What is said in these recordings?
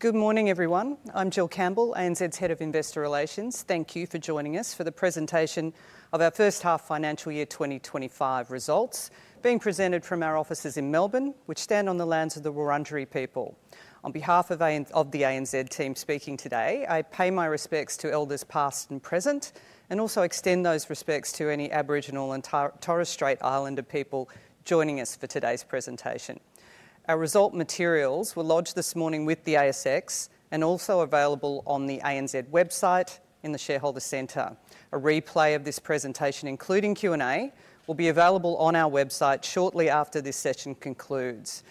Good morning, everyone. I'm Jill Campbell, ANZ's Head of Investor Relations. Thank you for joining us for the presentation of our first half-financial year 2025 results, being presented from our offices in Melbourne, which stand on the lands of the Wurundjeri people. On behalf of the ANZ team speaking today, I pay my respects to Elders past and present, and also extend those respects to any Aboriginal and Torres Strait Islander people joining us for today's presentation. Our result materials were lodged this morning with the ASX and also available on the ANZ website in the Shareholder Centre. A replay of this presentation, including Q&A, will be available on our website shortly after this session concludes.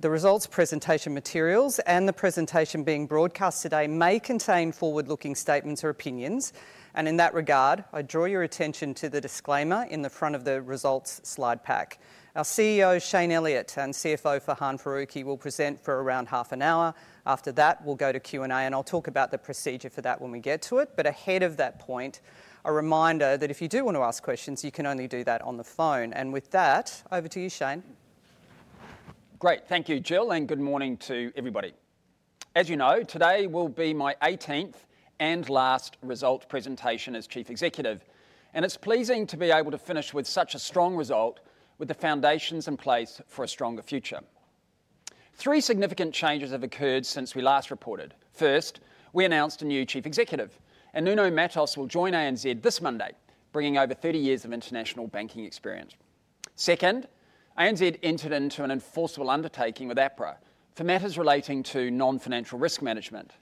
The results presentation materials and the presentation being broadcast today may contain forward-looking statements or opinions, and in that regard, I draw your attention to the disclaimer in the front of the results slide pack. Our CEO, Shayne Elliott, and CFO Farhan Faruqui will present for around half an hour. After that, we'll go to Q&A, and I'll talk about the procedure for that when we get to it. Ahead of that point, a reminder that if you do want to ask questions, you can only do that on the phone. With that, over to you, Shayne. Great. Thank you, Jill, and good morning to everybody. As you know, today will be my eighteenth and last result presentation as Chief Executive, and it is pleasing to be able to finish with such a strong result, with the foundations in place for a stronger future. Three significant changes have occurred since we last reported. First, we announced a new Chief Executive, and Nuno Matos will join ANZ this Monday, bringing over 30 years of international banking experience. Second, ANZ entered into an enforceable undertaking with APRA for matters relating to non-financial risk management.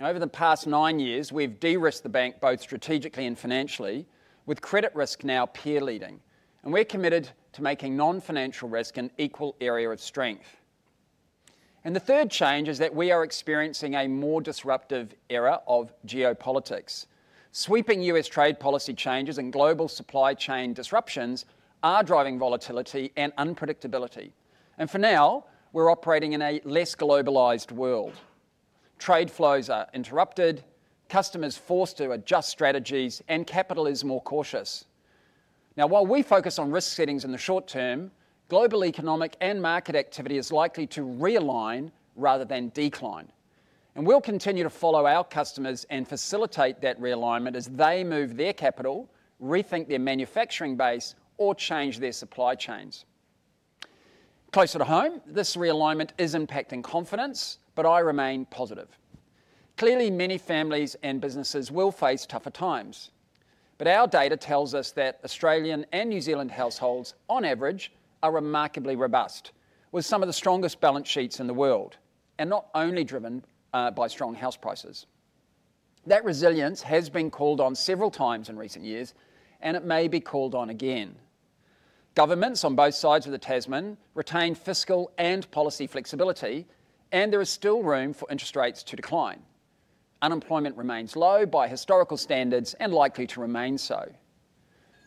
Over the past nine years, we have de-risked the bank both strategically and financially, with credit risk now peer-leading, and we are committed to making non-financial risk an equal area of strength. The third change is that we are experiencing a more disruptive era of geopolitics. Sweeping U.S. trade policy changes and global supply chain disruptions are driving volatility and unpredictability, and for now, we're operating in a less globalized world. Trade flows are interrupted, customers forced to adjust strategies, and capital is more cautious. Now, while we focus on risk settings in the short term, global economic and market activity is likely to realign rather than decline, and we'll continue to follow our customers and facilitate that realignment as they move their capital, rethink their manufacturing base, or change their supply chains. Closer to home, this realignment is impacting confidence, but I remain positive. Clearly, many families and businesses will face tougher times, but our data tells us that Australian and New Zealand households, on average, are remarkably robust, with some of the strongest balance sheets in the world, and not only driven by strong house prices. That resilience has been called on several times in recent years, and it may be called on again. Governments on both sides of the Tasman retain fiscal and policy flexibility, and there is still room for interest rates to decline. Unemployment remains low by historical standards and likely to remain so.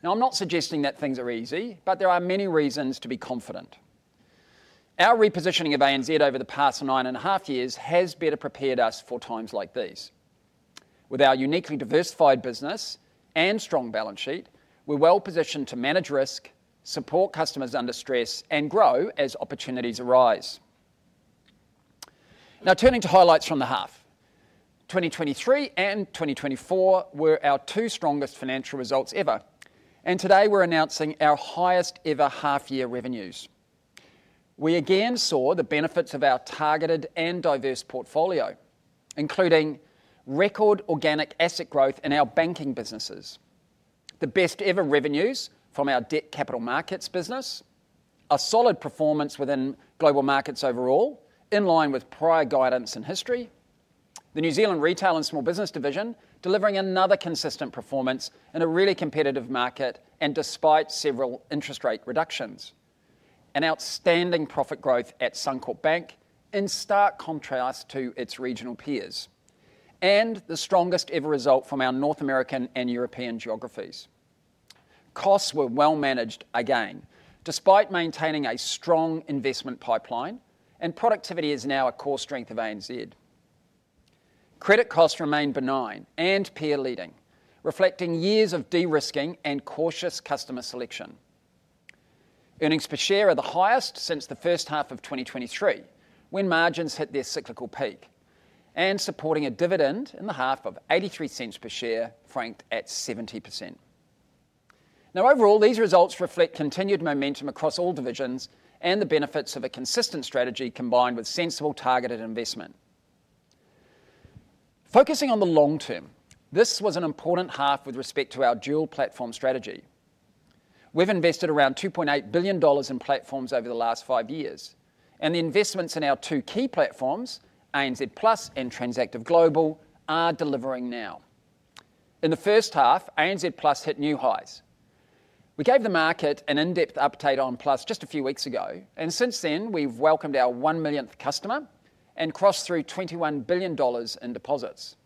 Now, I'm not suggesting that things are easy, but there are many reasons to be confident. Our repositioning of ANZ over the past 9.5 years has better prepared us for times like these. With our uniquely diversified business and strong balance sheet, we're well positioned to manage risk, support customers under stress, and grow as opportunities arise. Now, turning to highlights from the half, 2023 and 2024 were our two strongest financial results ever, and today we're announcing our highest ever half-year revenues. We again saw the benefits of our targeted and diverse portfolio, including record organic asset growth in our banking businesses, the best ever revenues from our debt capital markets business, a solid performance within global markets overall in line with prior guidance and history, the New Zealand retail and small business division delivering another consistent performance in a really competitive market, despite several interest rate reductions, an outstanding profit growth at Suncorp Bank in stark contrast to its regional peers, and the strongest ever result from our North American and European geographies. Costs were well managed again, despite maintaining a strong investment pipeline, and productivity is now a core strength of ANZ. Credit costs remain benign and peer-leading, reflecting years of de-risking and cautious customer selection. Earnings per share are the highest since the first half of 2023, when margins hit their cyclical peak, and supporting a dividend in the half of 0.83 per share, franked at 70%. Now, overall, these results reflect continued momentum across all divisions and the benefits of a consistent strategy combined with sensible targeted investment. Focusing on the long term, this was an important half with respect to our dual platform strategy. We have invested around 2.8 billion dollars in platforms over the last five years, and the investments in our two key platforms, ANZ Plus and Transactive Global, are delivering now. In the first half, ANZ Plus hit new highs. We gave the market an in-depth update on Plus just a few weeks ago, and since then, we have welcomed our one millionth customer and crossed through 21 billion dollars in deposits.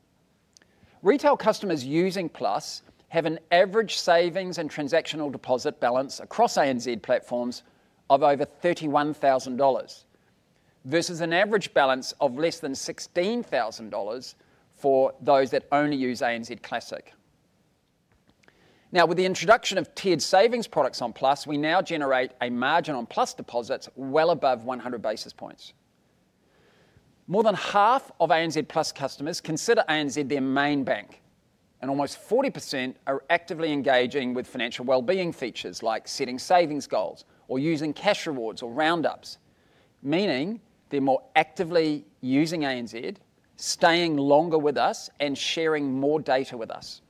Retail customers using Plus have an average savings and transactional deposit balance across ANZ platforms of over 31,000 dollars versus an average balance of less than 16,000 dollars for those that only use ANZ Classic. Now, with the introduction of tiered savings products on Plus, we now generate a margin on Plus deposits well above 100 basis points. More than half of ANZ Plus customers consider ANZ their main bank, and almost 40% are actively engaging with financial well-being features like setting savings goals or using cash rewards or roundups, meaning they're more actively using ANZ, staying longer with us, and sharing more data with us.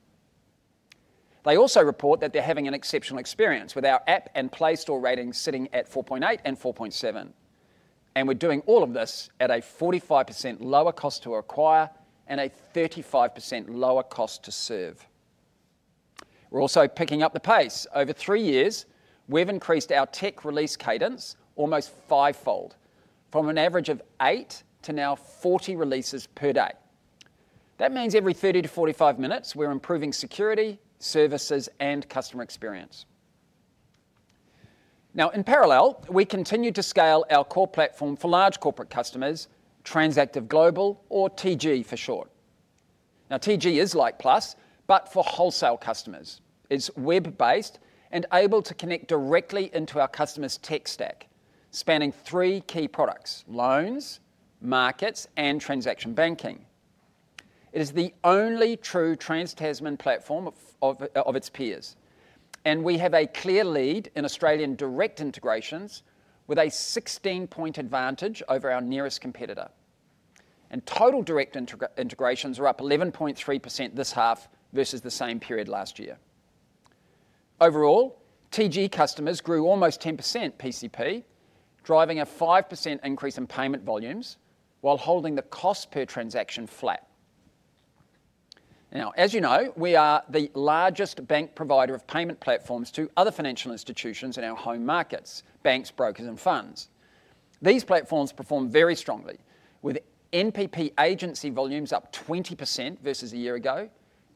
They also report that they're having an exceptional experience with our app and Play Store ratings sitting at 4.8 and 4.7, and we're doing all of this at a 45% lower cost to acquire and a 35% lower cost to serve. We're also picking up the pace. Over three years, we've increased our tech release cadence almost fivefold, from an average of eight to now 40 releases per day. That means every 30 to 45 minutes, we're improving security, services, and customer experience. Now, in parallel, we continue to scale our core platform for large corporate customers, Transactive Global, or TG for short. TG is like Plus, but for wholesale customers. It's web-based and able to connect directly into our customer's tech stack, spanning three key products: loans, markets, and transaction banking. It is the only true Trans Tasman platform of its peers, and we have a clear lead in Australian direct integrations, with a 16-point advantage over our nearest competitor. Total direct integrations are up 11.3% this half versus the same period last year. Overall, TG customers grew almost 10% PCP, driving a 5% increase in payment volumes while holding the cost per transaction flat. Now, as you know, we are the largest bank provider of payment platforms to other financial institutions in our home markets: banks, brokers, and funds. These platforms perform very strongly, with NPP agency volumes up 20% versus a year ago,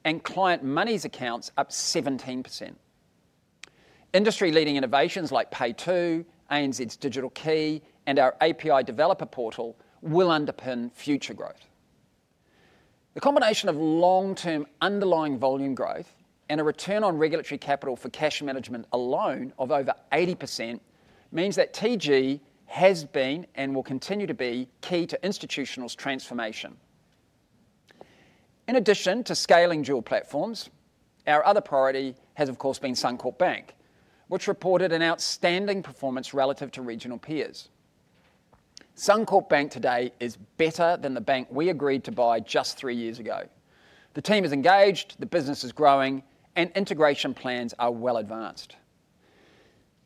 and client moneys accounts up 17%. Industry-leading innovations like PayTo, ANZ's Digital Key, and our API Developer Portal will underpin future growth. The combination of long-term underlying volume growth and a return on regulatory capital for cash management alone of over 80% means that TG has been and will continue to be key to institutional transformation. In addition to scaling dual platforms, our other priority has, of course, been Suncorp Bank, which reported an outstanding performance relative to regional peers. Suncorp Bank today is better than the bank we agreed to buy just three years ago. The team is engaged, the business is growing, and integration plans are well advanced.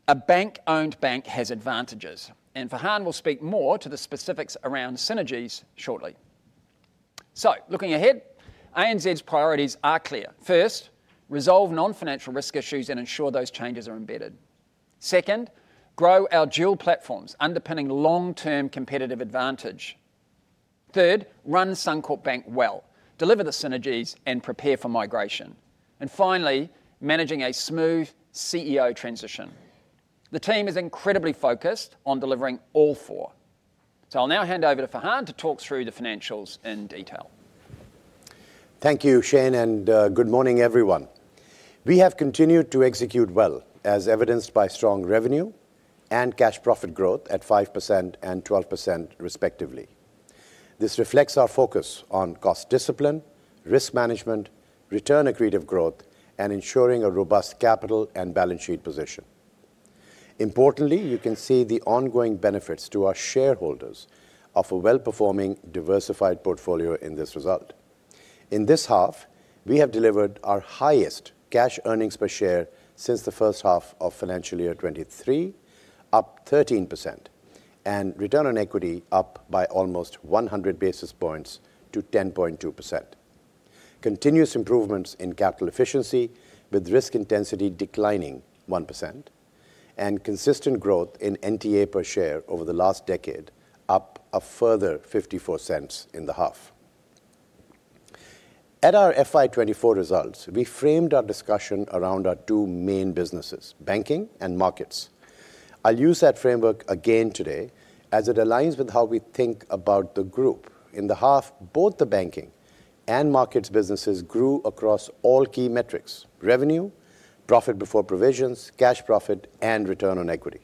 A bank-owned bank has advantages, and Farhan will speak more to the specifics around synergies shortly. Looking ahead, ANZ's priorities are clear. First, resolve non-financial risk issues and ensure those changes are embedded. Second, grow our dual platforms, underpinning long-term competitive advantage. Third, run Suncorp Bank well, deliver the synergies, and prepare for migration. Finally, managing a smooth CEO transition. The team is incredibly focused on delivering all four. I'll now hand over to Farhan to talk through the financials in detail. Thank you, Shayne, and good morning, everyone. We have continued to execute well, as evidenced by strong revenue and cash profit growth at 5% and 12%, respectively. This reflects our focus on cost discipline, risk management, return accretive growth, and ensuring a robust capital and balance sheet position. Importantly, you can see the ongoing benefits to our shareholders of a well-performing, diversified portfolio in this result. In this half, we have delivered our highest cash earnings per share since the first half of financial year 2023, up 13%, and return on equity up by almost 100 basis points to 10.2%. Continuous improvements in capital efficiency, with risk intensity declining 1%, and consistent growth in NTA per share over the last decade, up a further 0.54 in the half. At our financial year 2024 results, we framed our discussion around our two main businesses: banking and markets. I'll use that framework again today, as it aligns with how we think about the group. In the half, both the banking and markets businesses grew across all key metrics: revenue, profit before provisions, cash profit, and return on equity.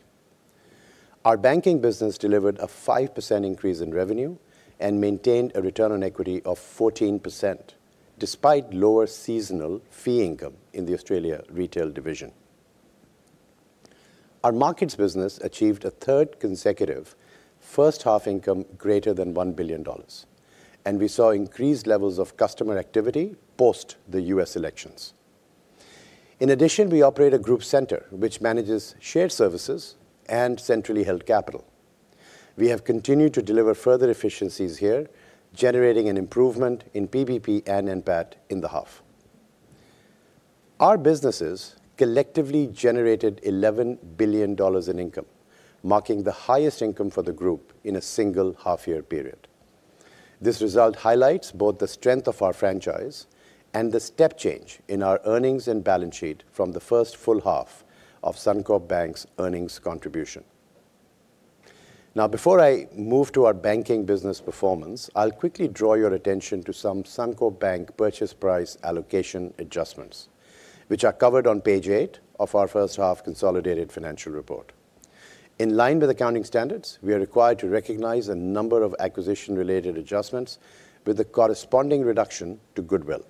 Our banking business delivered a 5% increase in revenue and maintained a return on equity of 14%, despite lower seasonal fee income in the Australia retail division. Our markets business achieved a third consecutive first half income greater than $1 billion, and we saw increased levels of customer activity post the U.S. elections. In addition, we operate a group centre, which manages shared services and centrally held capital. We have continued to deliver further efficiencies here, generating an improvement in PBP and NPAT in the half. Our businesses collectively generated 11 billion dollars in income, marking the highest income for the group in a single half-year period. This result highlights both the strength of our franchise and the step change in our earnings and balance sheet from the first full half of Suncorp Bank's earnings contribution. Now, before I move to our banking business performance, I'll quickly draw your attention to some Suncorp Bank purchase price allocation adjustments, which are covered on page eight of our first half consolidated financial report. In line with accounting standards, we are required to recognize a number of acquisition-related adjustments with the corresponding reduction to goodwill.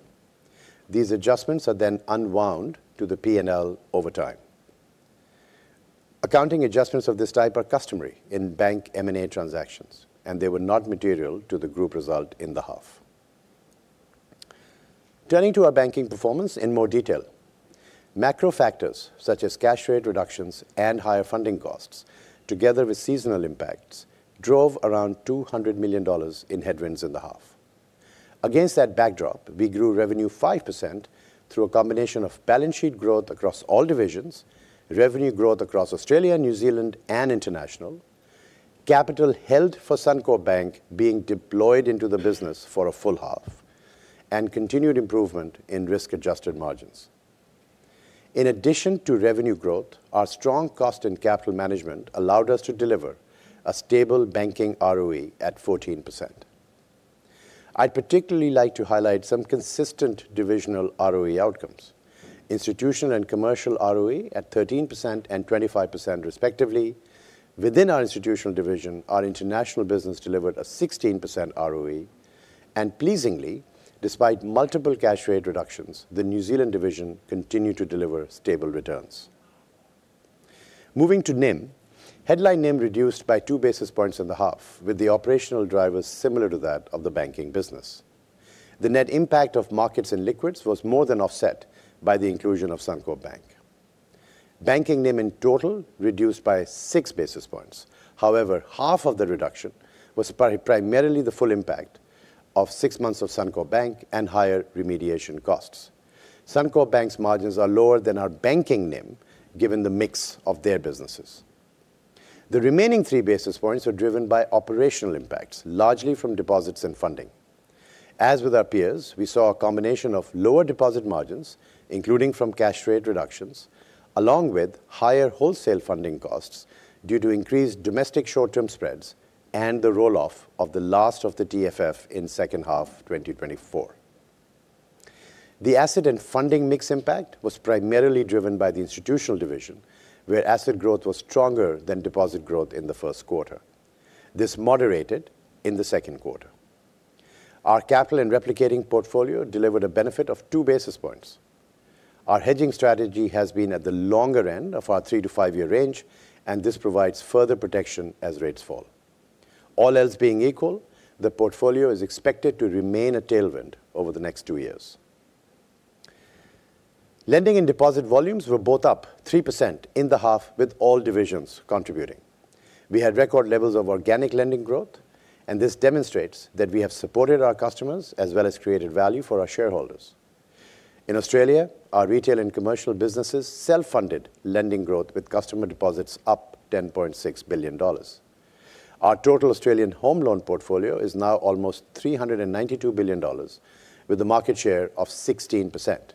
These adjustments are then unwound to the P&L over time. Accounting adjustments of this type are customary in bank M&A transactions, and they were not material to the group result in the half. Turning to our banking performance in more detail, macro factors such as cash rate reductions and higher funding costs, together with seasonal impacts, drove around 200 million dollars in headwinds in the half. Against that backdrop, we grew revenue 5% through a combination of balance sheet growth across all divisions, revenue growth across Australia, New Zealand, and international, capital held for Suncorp Bank being deployed into the business for a full half, and continued improvement in risk-adjusted margins. In addition to revenue growth, our strong cost and capital management allowed us to deliver a stable banking ROE at 14%. I'd particularly like to highlight some consistent divisional ROE outcomes: institutional and commercial ROE at 13% and 25%, respectively. Within our institutional division, our international business delivered a 16% ROE, and pleasingly, despite multiple cash rate reductions, the New Zealand division continued to deliver stable returns. Moving to NIM, headline NIM reduced by two basis points in the half, with the operational drivers similar to that of the banking business. The net impact of markets and liquids was more than offset by the inclusion of Suncorp Bank. Banking NIM in total reduced by six basis points. However, half of the reduction was primarily the full impact of six months of Suncorp Bank and higher remediation costs. Suncorp Bank's margins are lower than our banking NIM, given the mix of their businesses. The remaining three basis points are driven by operational impacts, largely from deposits and funding. As with our peers, we saw a combination of lower deposit margins, including from cash rate reductions, along with higher wholesale funding costs due to increased domestic short-term spreads and the roll-off of the last of the TFF in second half 2024. The asset and funding mix impact was primarily driven by the institutional division, where asset growth was stronger than deposit growth in the first quarter. This moderated in the second quarter. Our capital and replicating portfolio delivered a benefit of two basis points. Our hedging strategy has been at the longer end of our three-five-year range, and this provides further protection as rates fall. All else being equal, the portfolio is expected to remain a tailwind over the next two years. Lending and deposit volumes were both up 3% in the half, with all divisions contributing. We had record levels of organic lending growth, and this demonstrates that we have supported our customers as well as created value for our shareholders. In Australia, our retail and commercial businesses self-funded lending growth with customer deposits up 10.6 billion dollars. Our total Australian home loan portfolio is now almost 392 billion dollars, with a market share of 16%.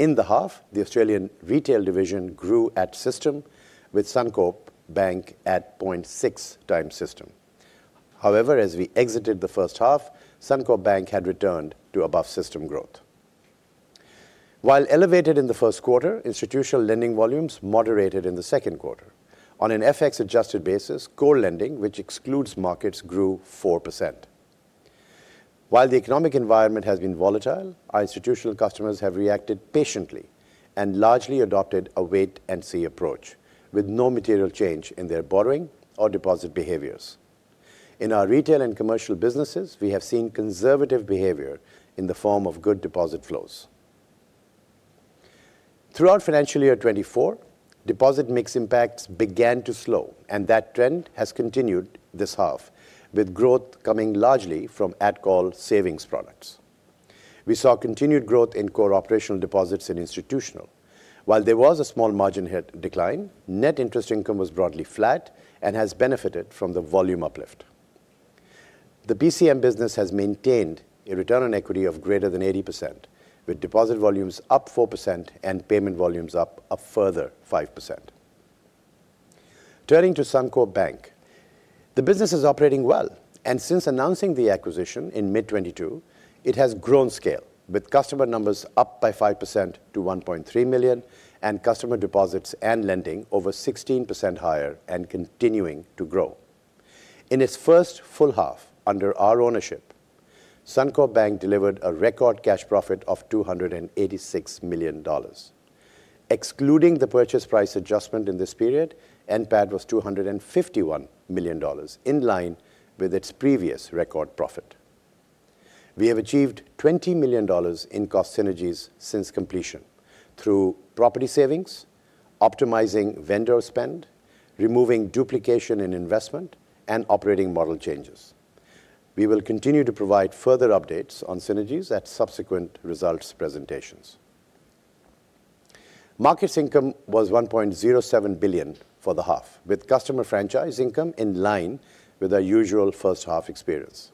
In the half, the Australian retail division grew at system, with Suncorp Bank at 0.6 times system. However, as we exited the first half, Suncorp Bank had returned to above system growth. While elevated in the first quarter, institutional lending volumes moderated in the second quarter. On an FX-adjusted basis, core lending, which excludes markets, grew 4%. While the economic environment has been volatile, our institutional customers have reacted patiently and largely adopted a wait-and-see approach, with no material change in their borrowing or deposit behaviors. In our retail and commercial businesses, we have seen conservative behavior in the form of good deposit flows. Throughout financial year 2024, deposit mix impacts began to slow, and that trend has continued this half, with growth coming largely from at-call savings products. We saw continued growth in core operational deposits and institutional. While there was a small margin decline, net interest income was broadly flat and has benefited from the volume uplift. The PCM business has maintained a return on equity of greater than 80%, with deposit volumes up 4% and payment volumes up a further 5%. Turning to Suncorp Bank, the business is operating well, and since announcing the acquisition in mid-2022, it has grown scale, with customer numbers up by 5% to 1.3 million and customer deposits and lending over 16% higher and continuing to grow. In its first full half under our ownership, Suncorp Bank delivered a record cash profit of 286 million dollars. Excluding the purchase price adjustment in this period, NPAT was 251 million dollars, in line with its previous record profit. We have achieved 20 million dollars in cost synergies since completion through property savings, optimizing vendor spend, removing duplication in investment, and operating model changes. We will continue to provide further updates on synergies at subsequent results presentations. Markets income was 1.07 billion for the half, with customer franchise income in line with our usual first half experience.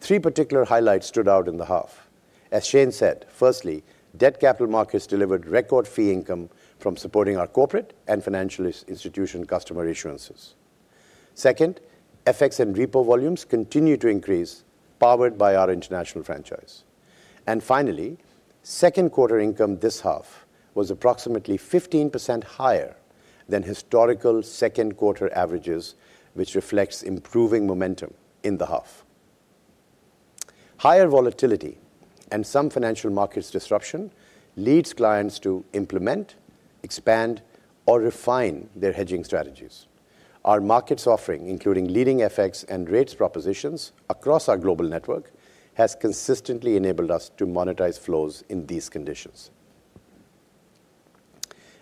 Three particular highlights stood out in the half. As Shayne said, firstly, debt capital markets delivered record fee income from supporting our corporate and financial institution customer issuances. Second, FX and repo volumes continue to increase, powered by our international franchise. Finally, second quarter income this half was approximately 15% higher than historical second quarter averages, which reflects improving momentum in the half. Higher volatility and some financial markets disruption leads clients to implement, expand, or refine their hedging strategies. Our markets offering, including leading FX and rates propositions across our global network, has consistently enabled us to monetize flows in these conditions.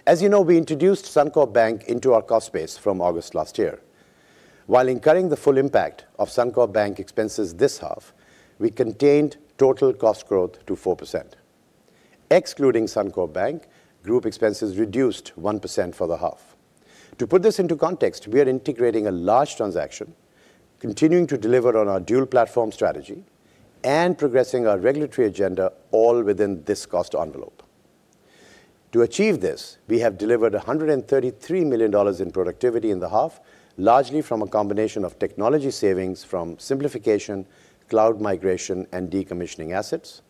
As you know, we introduced Suncorp Bank into our cost base from August last year. While incurring the full impact of Suncorp Bank expenses this half, we contained total cost growth to 4%. Excluding Suncorp Bank, group expenses reduced 1% for the half. To put this into context, we are integrating a large transaction, continuing to deliver on our dual platform strategy, and progressing our regulatory agenda all within this cost envelope. To achieve this, we have delivered 133 million dollars in productivity in the half, largely from a combination of technology savings from simplification, cloud migration, and decommissioning assets,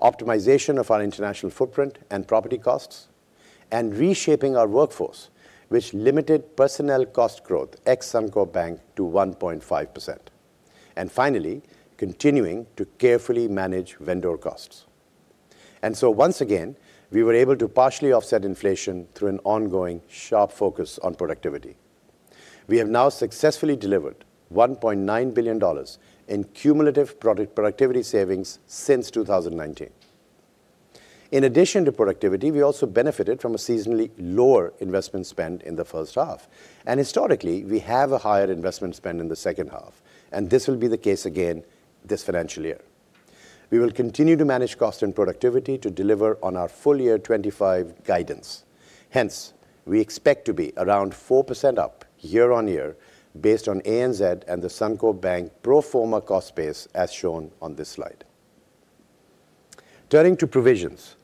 optimization of our international footprint and property costs, and reshaping our workforce, which limited personnel cost growth ex-Suncorp Bank to 1.5%. Finally, continuing to carefully manage vendor costs. Once again, we were able to partially offset inflation through an ongoing sharp focus on productivity. We have now successfully delivered 1.9 billion dollars in cumulative productivity savings since 2019. In addition to productivity, we also benefited from a seasonally lower investment spend in the first half. Historically, we have a higher investment spend in the second half, and this will be the case again this financial year. We will continue to manage cost and productivity to deliver on our full year 2025 guidance. Hence, we expect to be around 4% up year on year, based on ANZ and the Suncorp Bank pro forma cost base, as shown on this slide. Turning to provisions,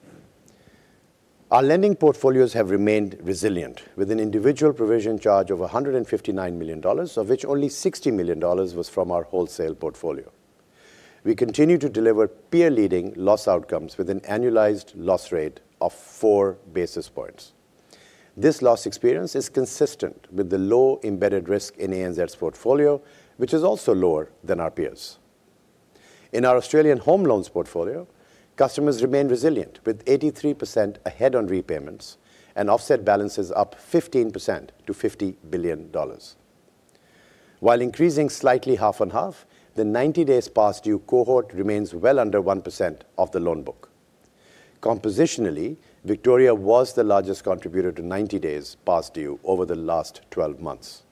our lending portfolios have remained resilient, with an individual provision charge of 159 million dollars, of which only 60 million dollars was from our wholesale portfolio. We continue to deliver peer-leading loss outcomes with an annualized loss rate of four basis points. This loss experience is consistent with the low embedded risk in ANZ's portfolio, which is also lower than our peers. In our Australian home loans portfolio, customers remain resilient, with 83% ahead on repayments and offset balances up 15% to 50 billion dollars. While increasing slightly half and half, the 90 days past due cohort remains well under 1% of the loan book. Compositionally, Victoria was the largest contributor to 90 days past due over the last 12 months.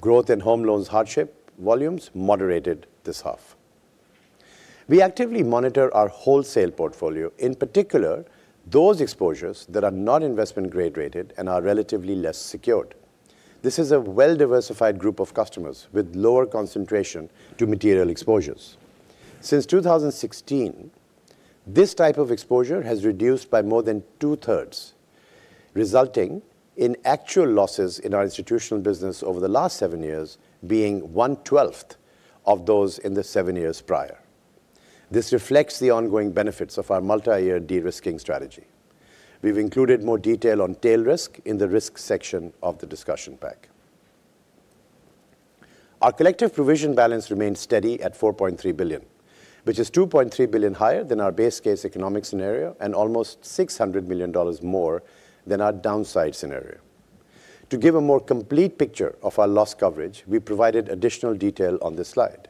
Growth in home loans hardship volumes moderated this half. We actively monitor our wholesale portfolio, in particular those exposures that are not investment-grade rated and are relatively less secured. This is a well-diversified group of customers with lower concentration to material exposures. Since 2016, this type of exposure has reduced by more than two-thirds, resulting in actual losses in our institutional business over the last seven years being one-twelfth of those in the seven years prior. This reflects the ongoing benefits of our multi-year de-risking strategy. We've included more detail on tail risk in the risk section of the discussion pack. Our collective provision balance remains steady at 4.3 billion, which is 2.3 billion higher than our base case economic scenario and almost 600 million dollars more than our downside scenario. To give a more complete picture of our loss coverage, we provided additional detail on this slide.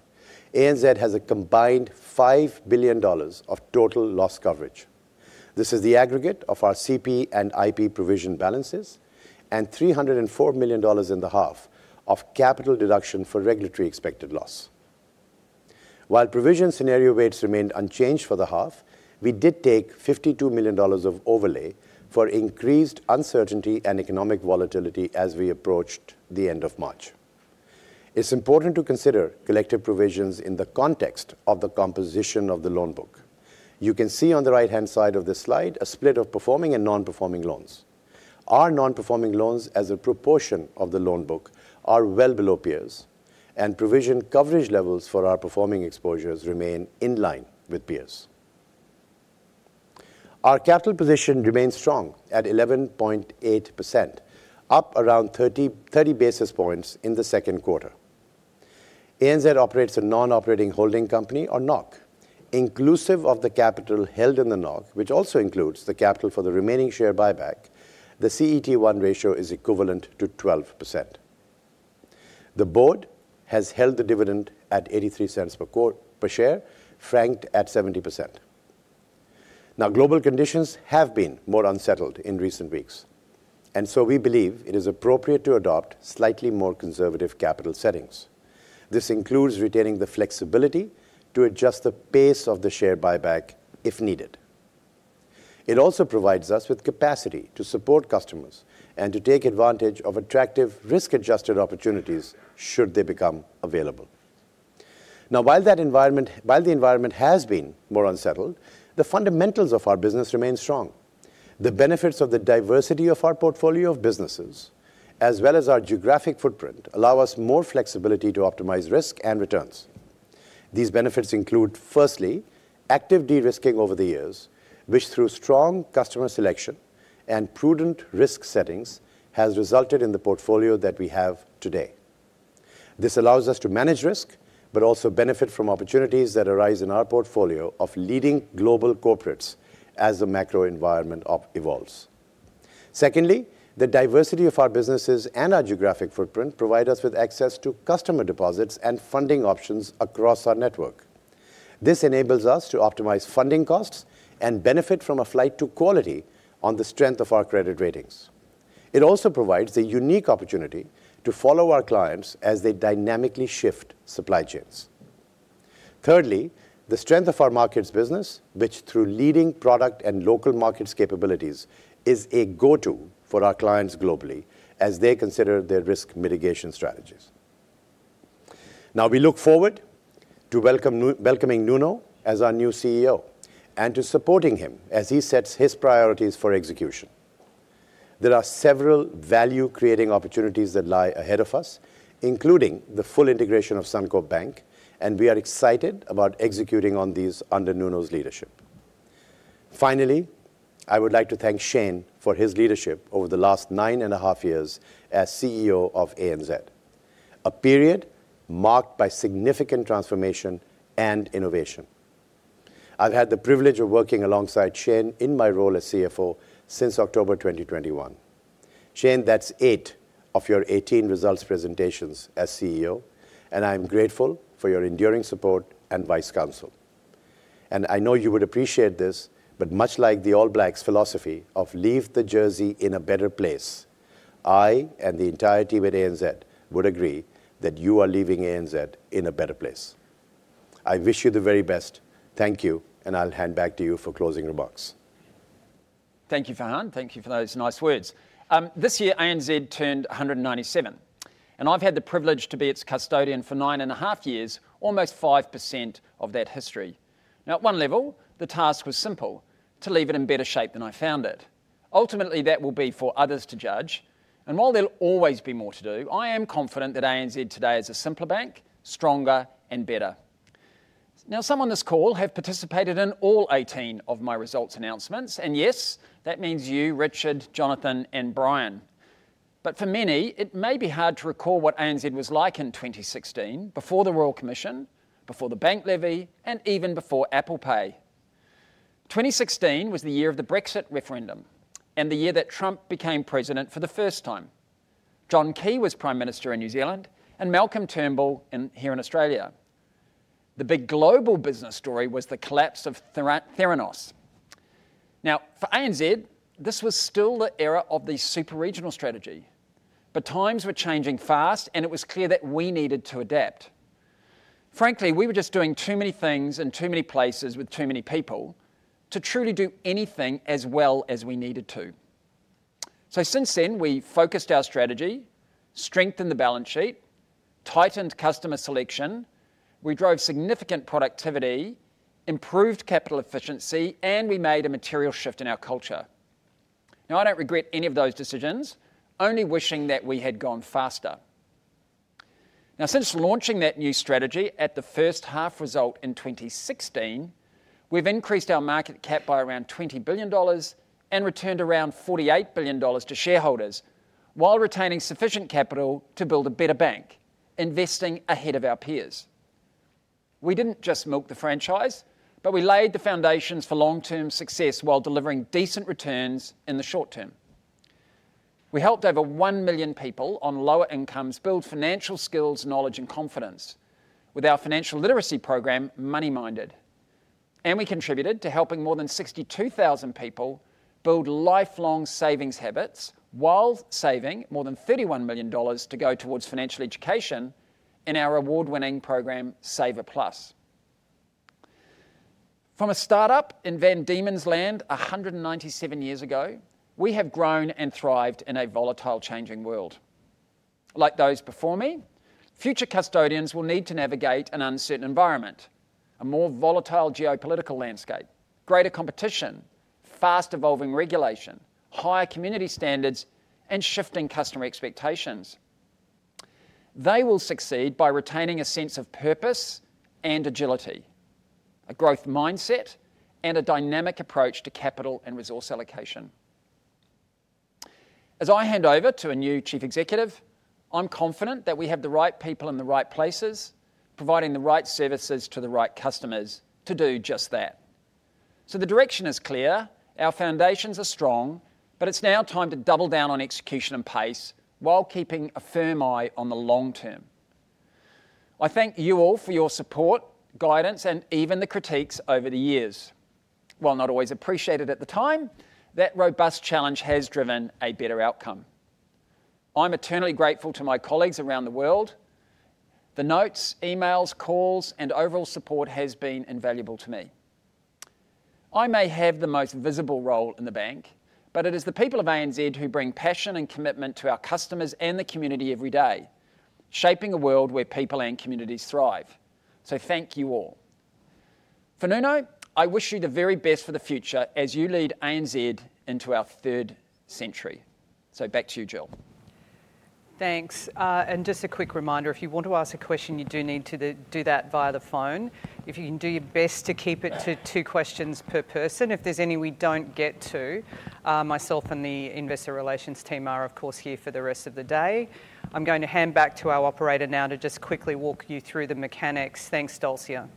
ANZ has a combined 5 billion dollars of total loss coverage. This is the aggregate of our CP and IP provision balances and 304 million dollars in the half of capital deduction for regulatory expected loss. While provision scenario weights remained unchanged for the half, we did take 52 million dollars of overlay for increased uncertainty and economic volatility as we approached the end of March. It's important to consider collective provisions in the context of the composition of the loan book. You can see on the right-hand side of this slide a split of performing and non-performing loans. Our non-performing loans, as a proportion of the loan book, are well below peers, and provision coverage levels for our performing exposures remain in line with peers. Our capital position remains strong at 11.8%, up around 30 basis points in the second quarter. ANZ operates a non-operating holding company, or NOC, inclusive of the capital held in the NOC, which also includes the capital for the remaining share buyback. The CET1 ratio is equivalent to 12%. The board has held the dividend at 0.83 per share, franked at 70%. Now, global conditions have been more unsettled in recent weeks, and so we believe it is appropriate to adopt slightly more conservative capital settings. This includes retaining the flexibility to adjust the pace of the share buyback if needed. It also provides us with capacity to support customers and to take advantage of attractive risk-adjusted opportunities should they become available. Now, while the environment has been more unsettled, the fundamentals of our business remain strong. The benefits of the diversity of our portfolio of businesses, as well as our geographic footprint, allow us more flexibility to optimize risk and returns. These benefits include, firstly, active de-risking over the years, which, through strong customer selection and prudent risk settings, has resulted in the portfolio that we have today. This allows us to manage risk but also benefit from opportunities that arise in our portfolio of leading global corporates as the macro environment evolves. Secondly, the diversity of our businesses and our geographic footprint provide us with access to customer deposits and funding options across our network. This enables us to optimize funding costs and benefit from a flight to quality on the strength of our credit ratings. It also provides a unique opportunity to follow our clients as they dynamically shift supply chains. Thirdly, the strength of our markets business, which, through leading product and local markets capabilities, is a go-to for our clients globally as they consider their risk mitigation strategies. Now, we look forward to welcoming Nuno as our new CEO and to supporting him as he sets his priorities for execution. There are several value-creating opportunities that lie ahead of us, including the full integration of Suncorp Bank, and we are excited about executing on these under Nuno's leadership. Finally, I would like to thank Shayne for his leadership over the last 9.5 years as CEO of ANZ, a period marked by significant transformation and innovation. I've had the privilege of working alongside Shayne in my role as CFO since October 2021. Shayne, that's eight of your 18 results presentations as CEO, and I am grateful for your enduring support and wise counsel. I know you would appreciate this, but much like the All Blacks' philosophy of "Leave the Jersey in a better place," I and the entirety of ANZ would agree that you are leaving ANZ in a better place. I wish you the very best. Thank you, and I'll hand back to you for closing remarks. Thank you, Farhan. Thank you for those nice words. This year, ANZ turned 197, and I've had the privilege to be its custodian for 9.5 years, almost 5% of that history. Now, at one level, the task was simple: to leave it in better shape than I found it. Ultimately, that will be for others to judge. While there will always be more to do, I am confident that ANZ today is a simpler bank, stronger, and better. Some on this call have participated in all 18 of my results announcements, and yes, that means you, Richard, Jonathan, and Brian. For many, it may be hard to recall what ANZ was like in 2016, before the Royal Commission, before the bank levy, and even before Apple Pay. 2016 was the year of the Brexit referendum and the year that Trump became president for the first time. John Key was Prime Minister in New Zealand and Malcolm Turnbull here in Australia. The big global business story was the collapse of Theranos. For ANZ, this was still the era of the super regional strategy, but times were changing fast, and it was clear that we needed to adapt. Frankly, we were just doing too many things in too many places with too many people to truly do anything as well as we needed to. Since then, we focused our strategy, strengthened the balance sheet, tightened customer selection, we drove significant productivity, improved capital efficiency, and we made a material shift in our culture. I do not regret any of those decisions, only wishing that we had gone faster. Since launching that new strategy at the first half result in 2016, we have increased our market cap by around 20 billion dollars and returned around 48 billion dollars to shareholders while retaining sufficient capital to build a better bank, investing ahead of our peers. We did not just milk the franchise, but we laid the foundations for long-term success while delivering decent returns in the short term. We helped over one million people on lower incomes build financial skills, knowledge, and confidence with our financial literacy program, Money Minded. We contributed to helping more than 62,000 people build lifelong savings habits while saving more than 31 million dollars to go towards financial education in our award-winning program, Save a Plus. From a startup in Van Diemen's Land 197 years ago, we have grown and thrived in a volatile, changing world. Like those before me, future custodians will need to navigate an uncertain environment, a more volatile geopolitical landscape, greater competition, fast-evolving regulation, higher community standards, and shifting customer expectations. They will succeed by retaining a sense of purpose and agility, a growth mindset, and a dynamic approach to capital and resource allocation. As I hand over to a new chief executive, I'm confident that we have the right people in the right places, providing the right services to the right customers to do just that. The direction is clear. Our foundations are strong, but it's now time to double down on execution and pace while keeping a firm eye on the long term. I thank you all for your support, guidance, and even the critiques over the years. While not always appreciated at the time, that robust challenge has driven a better outcome. I'm eternally grateful to my colleagues around the world. The notes, emails, calls, and overall support have been invaluable to me. I may have the most visible role in the bank, but it is the people of ANZ who bring passion and commitment to our customers and the community every day, shaping a world where people and communities thrive. Thank you all. For Nuno, I wish you the very best for the future as you lead ANZ into our third century. Back to you, Jill. Thanks. Just a quick reminder, if you want to ask a question, you do need to do that via the phone. If you can do your best to keep it to two questions per person. If there are any we do not get to, myself and the investor relations team are, of course, here for the rest of the day. I am going to hand back to our operator now to quickly walk you through the mechanics. Thanks, Delsia.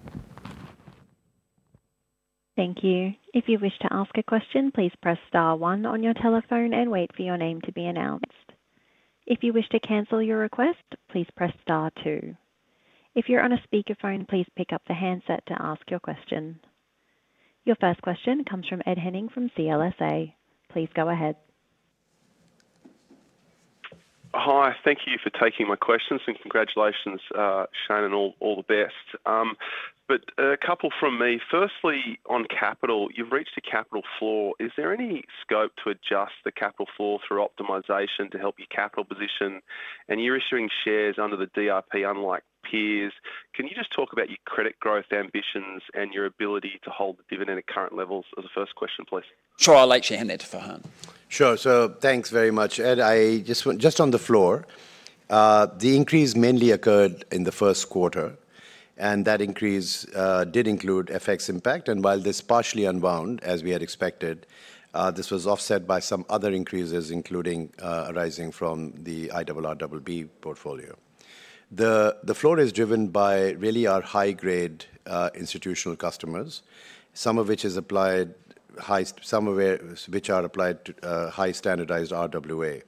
Thank you. If you wish to ask a question, please press star one on your telephone and wait for your name to be announced. If you wish to cancel your request, please press star two. If you're on a speakerphone, please pick up the handset to ask your question. Your first question comes from Ed Henning from CLSA. Please go ahead. Hi. Thank you for taking my questions, and congratulations, Shayne, and all the best. A couple from me. Firstly, on capital, you've reached a capital floor. Is there any scope to adjust the capital floor through optimisation to help your capital position? You're issuing shares under the DRP unlike peers. Can you just talk about your credit growth ambitions and your ability to hold the dividend at current levels? That was the first question, please. Sure. I'll let you hand it to Farhan. Sure. Thanks very much, Ed. Just on the floor, the increase mainly occurred in the first quarter, and that increase did include FX impact. While this partially unwound, as we had expected, this was offset by some other increases, including arising from the IRRBB portfolio. The floor is driven by really our high-grade institutional customers, some of which are applied high, some of which are applied to high-standardised RWA.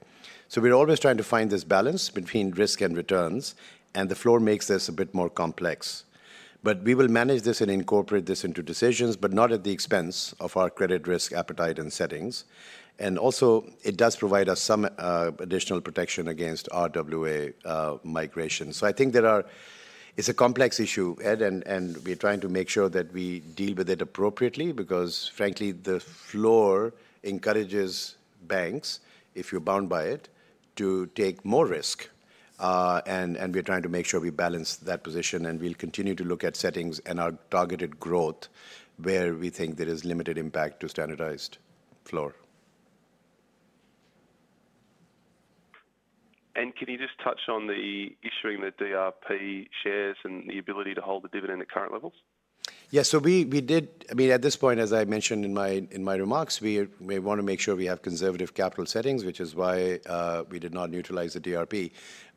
We are always trying to find this balance between risk and returns, and the floor makes this a bit more complex. We will manage this and incorporate this into decisions, but not at the expense of our credit risk appetite and settings. It does provide us some additional protection against RWA migration. I think it's a complex issue, Ed, and we're trying to make sure that we deal with it appropriately because, frankly, the floor encourages banks, if you're bound by it, to take more risk. We're trying to make sure we balance that position, and we'll continue to look at settings and our targeted growth where we think there is limited impact to standardised floor. Can you just touch on the issuing the DRP shares and the ability to hold the dividend at current levels? Yeah. We did, I mean, at this point, as I mentioned in my remarks, we want to make sure we have conservative capital settings, which is why we did not neutralise the DRP.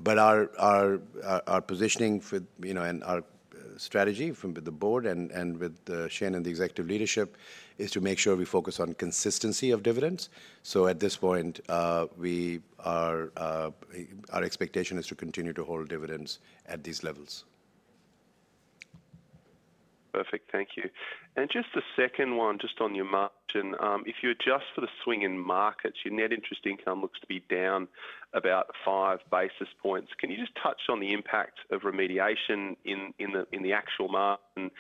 Our positioning and our strategy from the board and with Shayne and the executive leadership is to make sure we focus on consistency of dividends. At this point, our expectation is to continue to hold dividends at these levels. Perfect. Thank you. Just a second one, just on your margin. If you adjust for the swing in markets, your net interest income looks to be down about five basis points. Can you just touch on the impact of remediation in the actual margin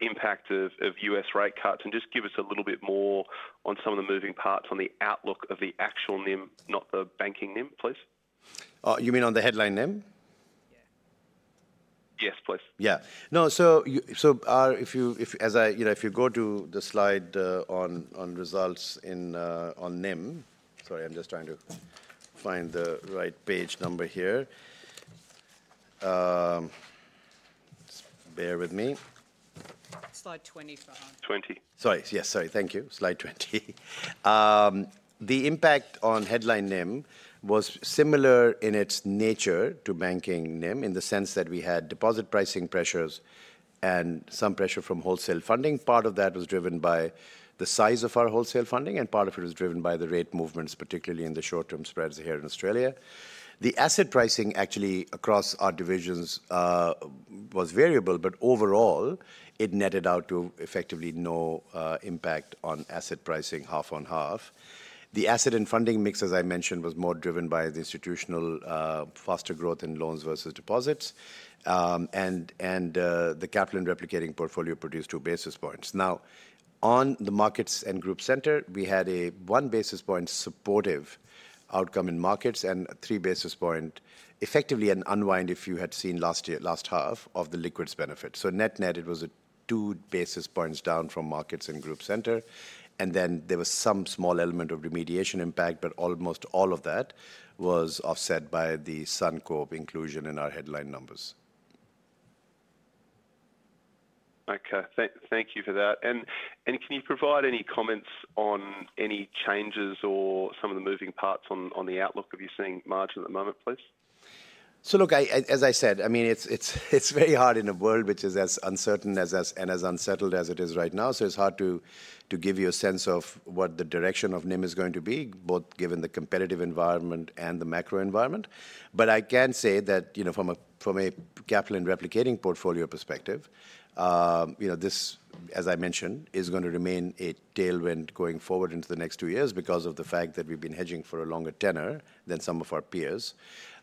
impact of U.S. rate cuts and just give us a little bit more on some of the moving parts on the outlook of the actual NIM, not the banking NIM, please? You mean on the headline NIM? Yes, please. Yeah. No. If you go to the slide on results in on NIM, sorry, I am just trying to find the right page number here. Bear with me. Slide 20, Farhan. 20. Sorry. Yes. Sorry. Thank you. Slide 20. The impact on headline NIM was similar in its nature to banking NIM in the sense that we had deposit pricing pressures and some pressure from wholesale funding. Part of that was driven by the size of our wholesale funding, and part of it was driven by the rate movements, particularly in the short-term spreads here in Australia. The asset pricing, actually, across our divisions was variable, but overall, it netted out to effectively no impact on asset pricing, half on half. The asset and funding mix, as I mentioned, was more driven by the institutional faster growth in loans versus deposits, and the capital and replicating portfolio produced two basis points. Now, on the markets and group centre, we had a one basis point supportive outcome in markets and three basis point effectively an unwind, if you had seen last half, of the liquids benefit. Net-net, it was two basis points down from markets and group centre. There was some small element of remediation impact, but almost all of that was offset by the Suncorp inclusion in our headline numbers. Okay. Thank you for that. Can you provide any comments on any changes or some of the moving parts on the outlook of you seeing margin at the moment, please? Look, as I said, I mean, it is very hard in a world which is as uncertain and as unsettled as it is right now. It is hard to give you a sense of what the direction of NIM is going to be, both given the competitive environment and the macro environment. I can say that from a capital and replicating portfolio perspective, this, as I mentioned, is going to remain a tailwind going forward into the next two years because of the fact that we've been hedging for a longer tenor than some of our peers.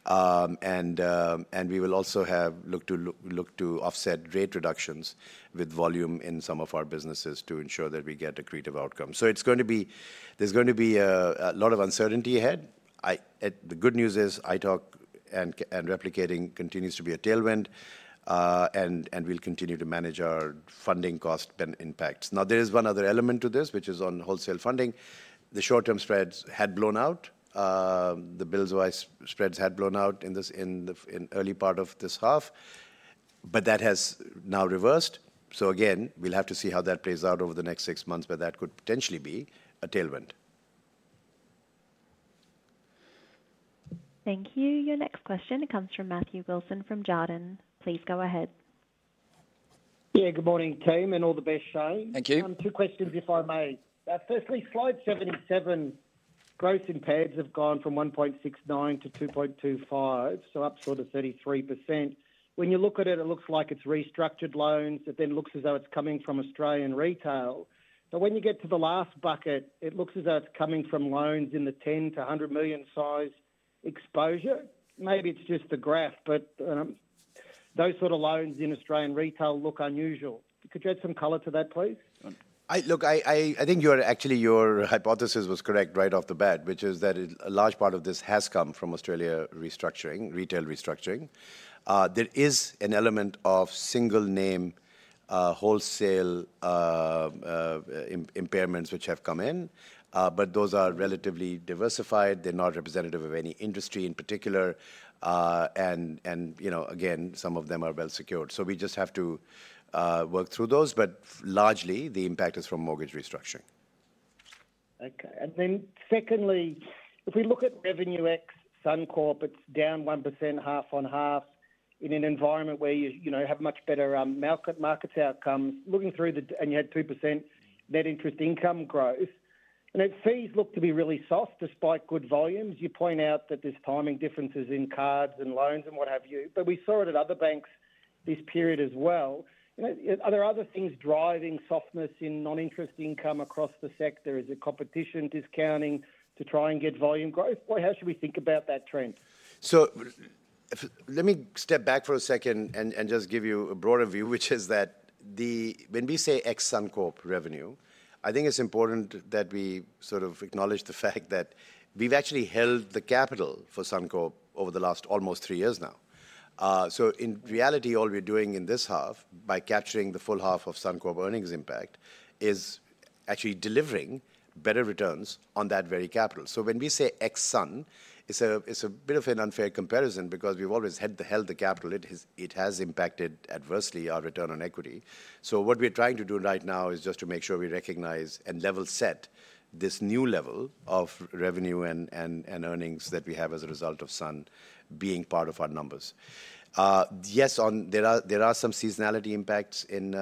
We will also have looked to offset rate reductions with volume in some of our businesses to ensure that we get a creative outcome. It's going to be there's going to be a lot of uncertainty ahead. The good news is OITC and replicating continues to be a tailwind, and we'll continue to manage our funding cost impacts. There is one other element to this, which is on wholesale funding. The short-term spreads had blown out. The bills-wise spreads had blown out in the early part of this half, but that has now reversed. So again, we'll have to see how that plays out over the next six months, but that could potentially be a tailwind. Thank you. Your next question comes from Matthew Wilson from Jarden. Please go ahead. Yeah. Good morning, team, and all the best, Shayne. Thank you. Two questions, if I may. Firstly, slide 77, growth in pads have gone from 1.69-2.25, so up sort of 33%. When you look at it, it looks like it's restructured loans. It then looks as though it's coming from Australian retail. But when you get to the last bucket, it looks as though it's coming from loans in the 10 million-100 million size exposure. Maybe it's just the graph, but those sort of loans in Australian retail look unusual. Could you add some color to that, please? Look, I think actually your hypothesis was correct right off the bat, which is that a large part of this has come from Australia restructuring, retail restructuring. There is an element of single name wholesale impairments which have come in, but those are relatively diversified. They're not representative of any industry in particular. Again, some of them are well secured. We just have to work through those, but largely, the impact is from mortgage restructuring. Okay. Secondly, if we look at Revenue X, Suncorp, it's down 1% half on half in an environment where you have much better market outcomes. Looking through the and you had 2% net interest income growth. Fees look to be really soft despite good volumes. You point out that there's timing differences in cards and loans and what have you, but we saw it at other banks this period as well. Are there other things driving softness in non-interest income across the sector? Is it competition discounting to try and get volume growth? How should we think about that trend? Let me step back for a second and just give you a broader view, which is that when we say ex-Suncorp revenue, I think it's important that we sort of acknowledge the fact that we've actually held the capital for Suncorp over the last almost three years now. In reality, all we're doing in this half, by capturing the full half of Suncorp earnings impact, is actually delivering better returns on that very capital. When we say ex-Sun, it's a bit of an unfair comparison because we've always held the capital. It has impacted adversely our return on equity. What we're trying to do right now is just to make sure we recognize and level set this new level of revenue and earnings that we have as a result of Sun being part of our numbers. Yes, there are some seasonality impacts in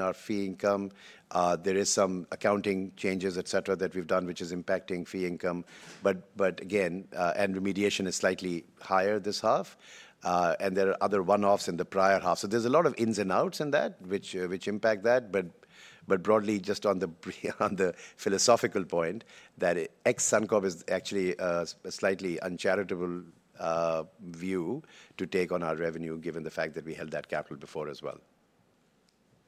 our fee income. There are some accounting changes, etc., that we've done, which is impacting fee income. Again, and remediation is slightly higher this half, and there are other one-offs in the prior half. There's a lot of ins and outs in that which impact that. Broadly, just on the philosophical point, that ex-Suncorp is actually a slightly uncharitable view to take on our revenue, given the fact that we held that capital before as well.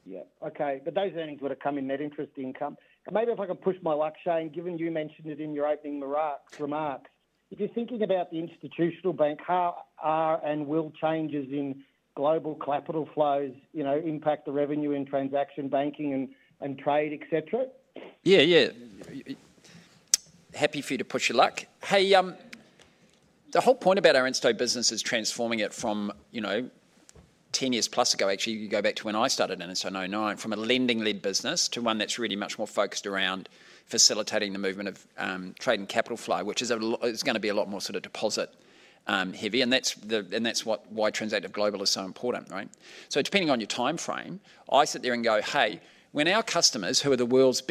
Yeah. Okay. Those earnings would have come in net interest income. Maybe if I can push my luck, Shayne, given you mentioned it in your opening remarks. If you're thinking about the institutional bank, how are and will changes in global capital flows impact the revenue in transaction banking and trade, etc.? Yeah, yeah. Happy for you to push your luck. Hey, the whole point about our institutional business is transforming it from 10 years plus ago, actually, you go back to when I started in 1999, from a lending-led business to one that's really much more focused around facilitating the movement of trade and capital flow, which is going to be a lot more sort of deposit heavy. That is why Transactive Global is so important, right? Depending on your time frame, I sit there and go, "Hey, when our customers, who are the world's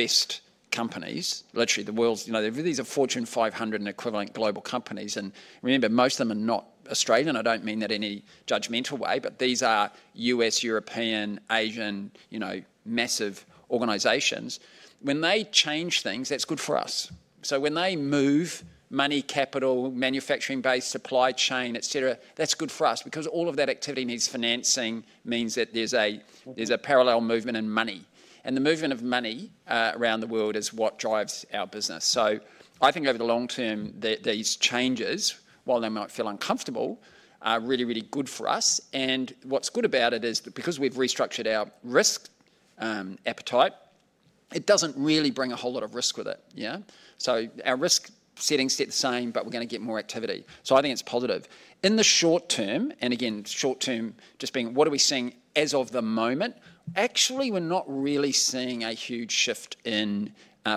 best companies, literally the world's, these are Fortune 500 and equivalent global companies, and remember, most of them are not Australian, I do not mean that in any judgmental way, but these are U.S., European, Asian, massive organizations. When they change things, that is good for us. When they move money, capital, manufacturing-based supply chain, etc., that's good for us because all of that activity needs financing, means that there's a parallel movement in money. The movement of money around the world is what drives our business. I think over the long term, these changes, while they might feel uncomfortable, are really, really good for us. What's good about it is because we've restructured our risk appetite, it doesn't really bring a whole lot of risk with it. Our risk settings stay the same, but we're going to get more activity. I think it's positive. In the short term, and again, short term just being what are we seeing as of the moment? Actually, we're not really seeing a huge shift in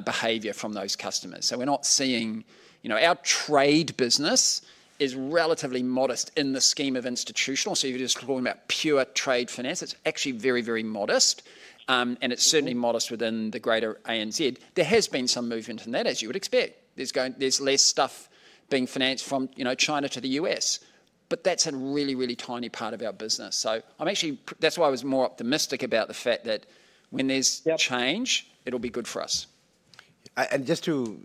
behaviour from those customers. We're not seeing our trade business is relatively modest in the scheme of institutional. If you're just talking about pure trade finance, it's actually very, very modest, and it's certainly modest within the greater ANZ. There has been some movement in that, as you would expect. There's less stuff being financed from China to the U.S., but that's a really, really tiny part of our business. That's why I was more optimistic about the fact that when there's change, it'll be good for us. Just to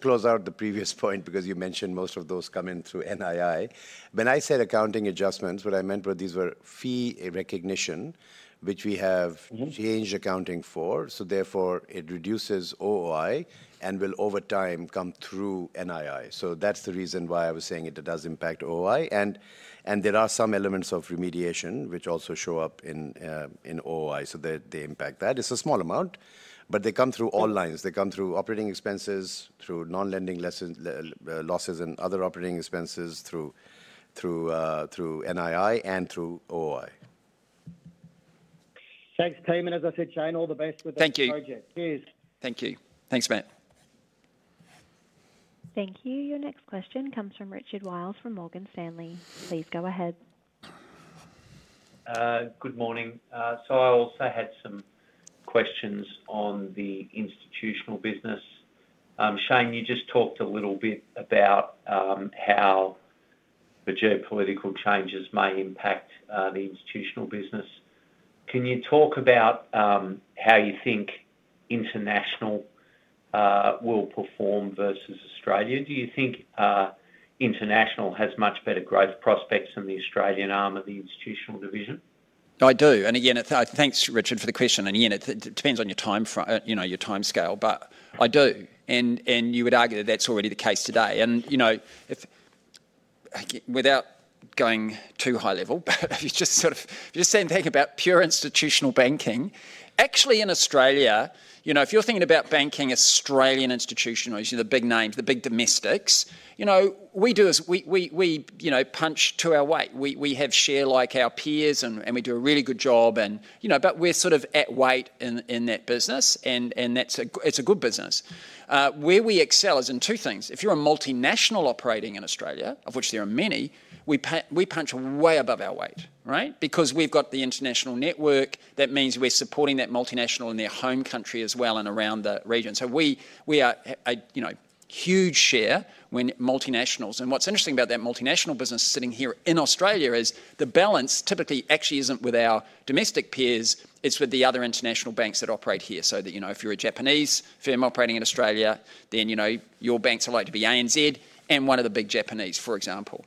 close out the previous point, because you mentioned most of those come in through NII, when I said accounting adjustments, what I meant were these were fee recognition, which we have changed accounting for. Therefore, it reduces OOI and will over time come through NII. That's the reason why I was saying it does impact OOI. There are some elements of remediation which also show up in OOI, so they impact that. It's a small amount, but they come through all lines. They come through operating expenses, through non-lending losses and other operating expenses, through NII and through OOI. Thanks, team. As I said, Shayne, all the best with the project. Thank you. Cheers. Thank you. Thanks, Matt. Thank you. Your next question comes from Richard Wiles from Morgan Stanley. Please go ahead. Good morning. I also had some questions on the institutional business. Shayne, you just talked a little bit about how the geopolitical changes may impact the institutional business. Can you talk about how you think international will perform versus Australia? Do you think international has much better growth prospects than the Australian arm of the institutional division? I do. Again, thanks, Richard, for the question. Again, it depends on your timescale, but I do. You would argue that that's already the case today. Without going too high level, if you just sort of if you're just sitting there thinking about pure institutional banking, actually in Australia, if you're thinking about banking Australian institutions, the big names, the big domestics, we punch to our weight. We have share like our peers, and we do a really good job. We are sort of at weight in that business, and it's a good business. Where we excel is in two things. If you're a multinational operating in Australia, of which there are many, we punch way above our weight, right? Because we've got the international network, that means we're supporting that multinational in their home country as well and around the region. We are a huge share when multinationals. What's interesting about that multinational business sitting here in Australia is the balance typically actually isn't with our domestic peers. It's with the other international banks that operate here. If you're a Japanese firm operating in Australia, then your banks are likely to be ANZ and one of the big Japanese, for example.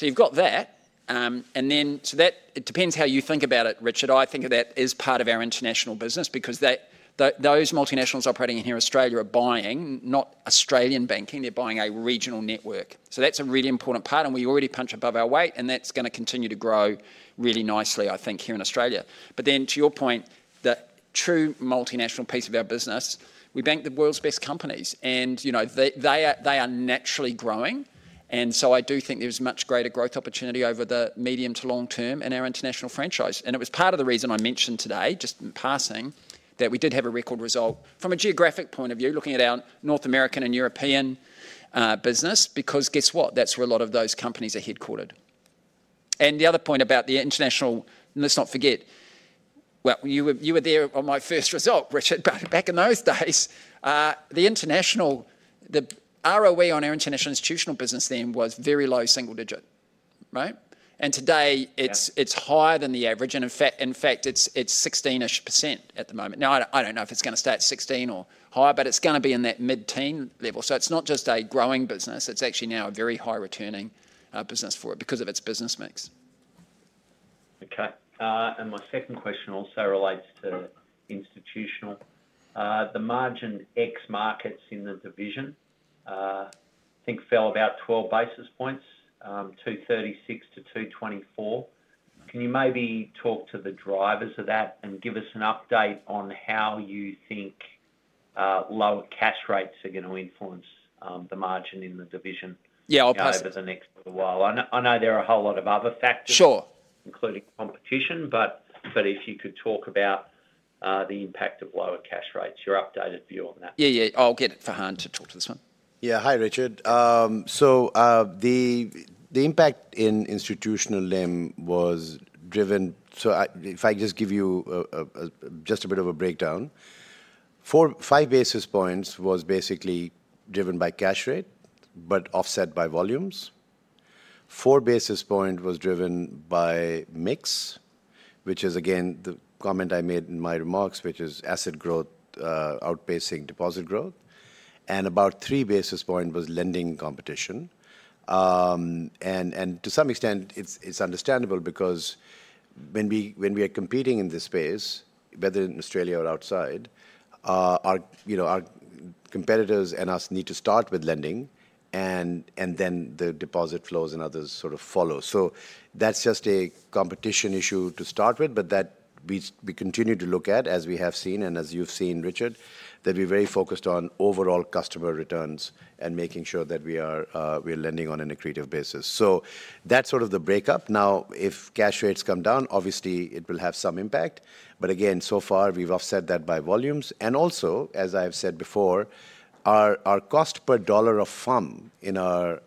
You have that. It depends how you think about it, Richard. I think of that as part of our international business because those multinationals operating here in Australia are buying not Australian banking. They're buying a regional network. That's a really important part. We already punch above our weight, and that's going to continue to grow really nicely, I think, here in Australia. To your point, the true multinational piece of our business, we bank the world's best companies, and they are naturally growing. I do think there's much greater growth opportunity over the medium to long term in our international franchise. It was part of the reason I mentioned today, just in passing, that we did have a record result from a geographic point of view, looking at our North American and European business, because guess what? That is where a lot of those companies are headquartered. The other point about the international, let's not forget, you were there on my first result, Richard, back in those days. The ROE on our international institutional business then was very low, single digit, right? Today, it is higher than the average. In fact, it is 16-ish % at the moment. I do not know if it is going to stay at 16 or higher, but it is going to be in that mid-teen level. It is not just a growing business. It is actually now a very high-returning business for it because of its business mix. Okay. My second question also relates to institutional. The margin ex-markets in the division, I think, fell about 12 basis points, 236 basis points-224 basis points. Can you maybe talk to the drivers of that and give us an update on how you think lower cash rates are going to influence the margin in the division? Yeah, I'll pass. Over the next little while. I know there are a whole lot of other factors, including competition, but if you could talk about the impact of lower cash rates, your updated view on that. Yeah, yeah. I'll get Farhan to talk to this one. Yeah. Hi, Richard. So the impact in institutional limb was driven, so if I just give you just a bit of a breakdown, five basis points was basically driven by cash rate, but offset by volumes. Four basis points was driven by mix, which is, again, the comment I made in my remarks, which is asset growth outpacing deposit growth. About three basis points was lending competition. To some extent, it is understandable because when we are competing in this space, whether in Australia or outside, our competitors and us need to start with lending, and then the deposit flows and others sort of follow. That is just a competition issue to start with, but that we continue to look at, as we have seen and as you have seen, Richard, that we are very focused on overall customer returns and making sure that we are lending on an accretive basis. That is sort of the breakup. Now, if cash rates come down, obviously, it will have some impact. Again, so far, we have offset that by volumes. Also, as I have said before, our cost per dollar of FUM in our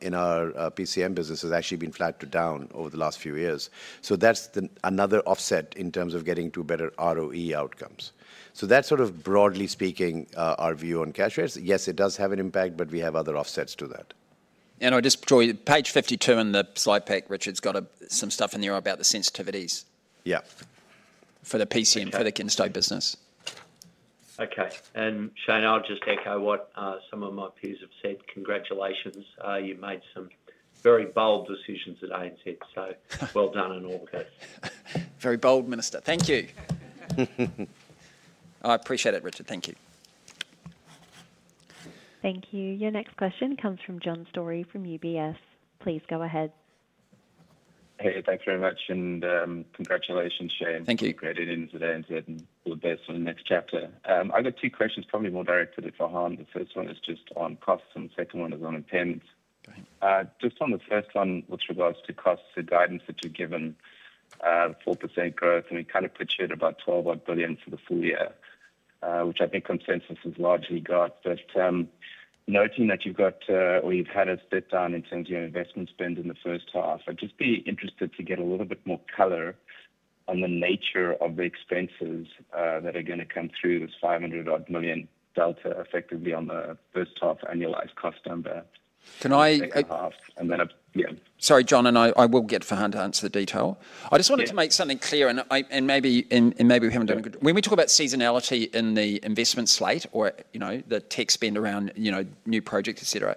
PCM business has actually been flagged down over the last few years. That is another offset in terms of getting to better ROE outcomes. That is, broadly speaking, our view on cash rates. Yes, it does have an impact, but we have other offsets to that. I just draw page 52 in the slide pack. Richard's got some stuff in there about the sensitivities. For the PCM, for the in-state business. Shayne, I will just echo what some of my peers have said. Congratulations. You made some very bold decisions at ANZ. Well done in all cases. Very bold, Minister. Thank you. I appreciate it, Richard. Thank you. Thank you. Your next question comes from John Storey from UBS. Please go ahead. Hey, thanks very much. Congratulations, Shayne. Thank you. You've made it into the ANZ, and all the best for the next chapter. I've got two questions, probably more directed at Farhan. The first one is just on costs, and the second one is on intent. Just on the first one, with regards to costs and guidance that you've given, 4% growth, and we kind of put you at about 12 billion for the full year, which I think consensus has largely got. But noting that you've got or you've had a step down in terms of your investment spend in the first half, I'd just be interested to get a little bit more color on the nature of the expenses that are going to come through this 500 million-odd delta effectively on the first half annualized cost number. Can I? And then a yeah. Sorry, John, and I will get Farhan to answer the detail. I just wanted to make something clear, and maybe we haven't done a good job when we talk about seasonality in the investment slate or the tech spend around new projects, etc.,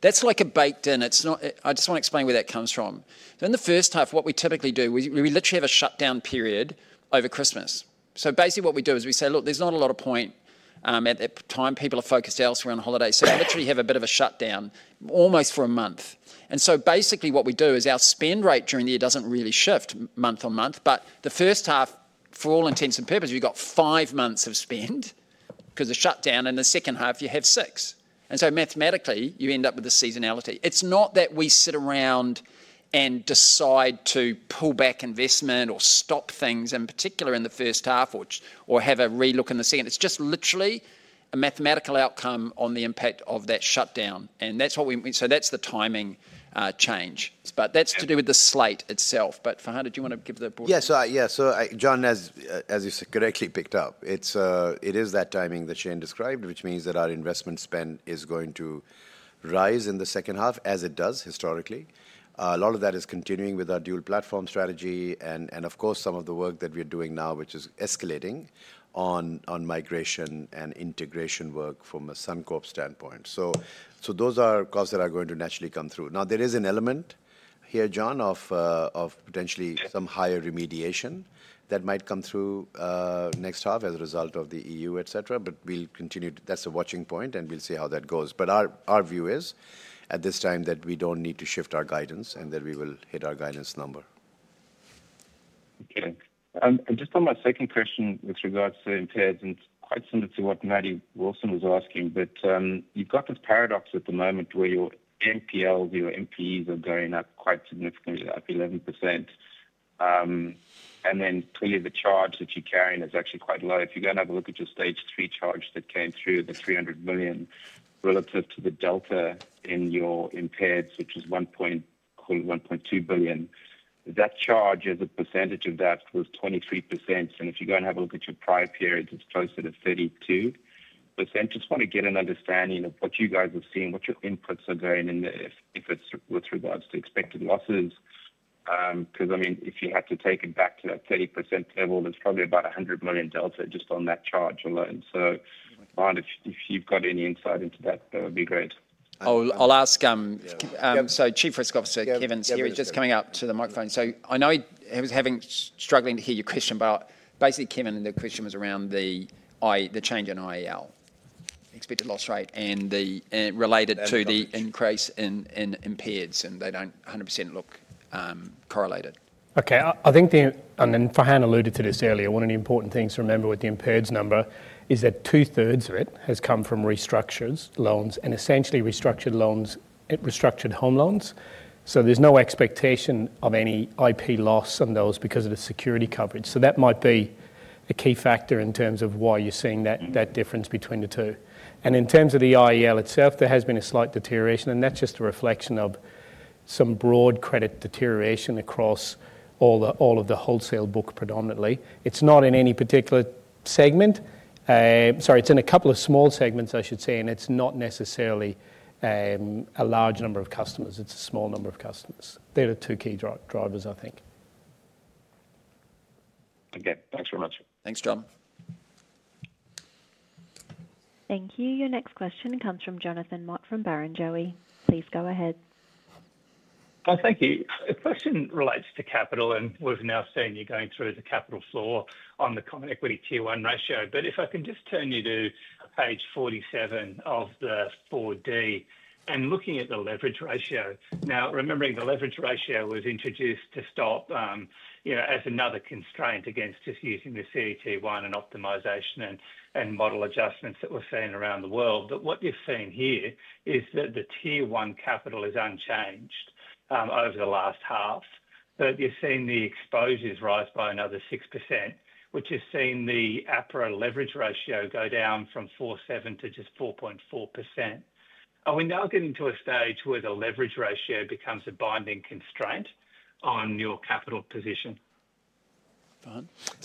that's like a baked in. I just want to explain where that comes from. In the first half, what we typically do, we literally have a shutdown period over Christmas. Basically, what we do is we say, "Look, there's not a lot of point at that time. People are focused elsewhere on holidays." We literally have a bit of a shutdown almost for a month. Basically, what we do is our spend rate during the year doesn't really shift month on month. The first half, for all intents and purposes, you've got five months of spend because of shutdown, and the second half, you have six. Mathematically, you end up with the seasonality. It is not that we sit around and decide to pull back investment or stop things in particular in the first half or have a relook in the second. It is just literally a mathematical outcome on the impact of that shutdown. That is the timing change. That is to do with the slate itself. Farhan, did you want to give the board? Yeah. John, as you correctly picked up, it is that timing that Shayne described, which means that our investment spend is going to rise in the second half, as it does historically. A lot of that is continuing with our dual platform strategy and, of course, some of the work that we are doing now, which is escalating on migration and integration work from a Suncorp standpoint. Those are costs that are going to naturally come through. Now, there is an element here, John, of potentially some higher remediation that might come through next half as a result of the EU, etc., but we'll continue to, that's a watching point, and we'll see how that goes. Our view is at this time that we don't need to shift our guidance and that we will hit our guidance number. Okay. Just on my second question with regards to impaired, and quite similar to what Matt Wilson was asking, you've got this paradox at the moment where your MPLs, your MPEs are going up quite significantly, up 11%. Clearly, the charge that you're carrying is actually quite low. If you go and have a look at your stage three charge that came through, the 300 million relative to the delta in your impaired, which was 1.2 billion, that charge as a percentage of that was 23%. If you go and have a look at your prior period, it's closer to 32%. Just want to get an understanding of what you guys have seen, what your inputs are going in with regards to expected losses. Because, I mean, if you had to take it back to that 30% level, there's probably about 100 million delta just on that charge alone. If you've got any insight into that, that would be great. I'll ask. Chief Risk Officer Kevin's here is just coming up to the microphone. I know he was struggling to hear your question, but basically, Kevin, the question was around the change in IEL, expected loss rate, and related to the increase in impaireds, and they do not 100% look correlated. Okay. I think the, and then Farhan alluded to this earlier. One of the important things to remember with the impaireds number is that two-thirds of it has come from restructures, loans, and essentially restructured home loans. There is no expectation of any IP loss on those because of the security coverage. That might be a key factor in terms of why you are seeing that difference between the two. In terms of the IEL itself, there has been a slight deterioration, and that is just a reflection of some broad credit deterioration across all of the wholesale book predominantly. It is not in any particular segment. Sorry, it is in a couple of small segments, I should say, and it is not necessarily a large number of customers. It is a small number of customers. They are the two key drivers, I think. Okay. Thanks very much. Thanks, John. Thank you. Your next question comes from Jonathan Mott from Barrenjoey. Please go ahead. Thank you. The question relates to capital, and we have now seen you going through the capital floor on the common equity tier one ratio. If I can just turn you to page 47 of the 4D and looking at the leverage ratio. Now, remembering the leverage ratio was introduced to stop as another constraint against just using the CET1 and optimization and model adjustments that we are seeing around the world. What you have seen here is that the tier one capital is unchanged over the last half. You've seen the exposures rise by another 6%, which has seen the APRA leverage ratio go down from 4.7% to just 4.4%. Are we now getting to a stage where the leverage ratio becomes a binding constraint on your capital position?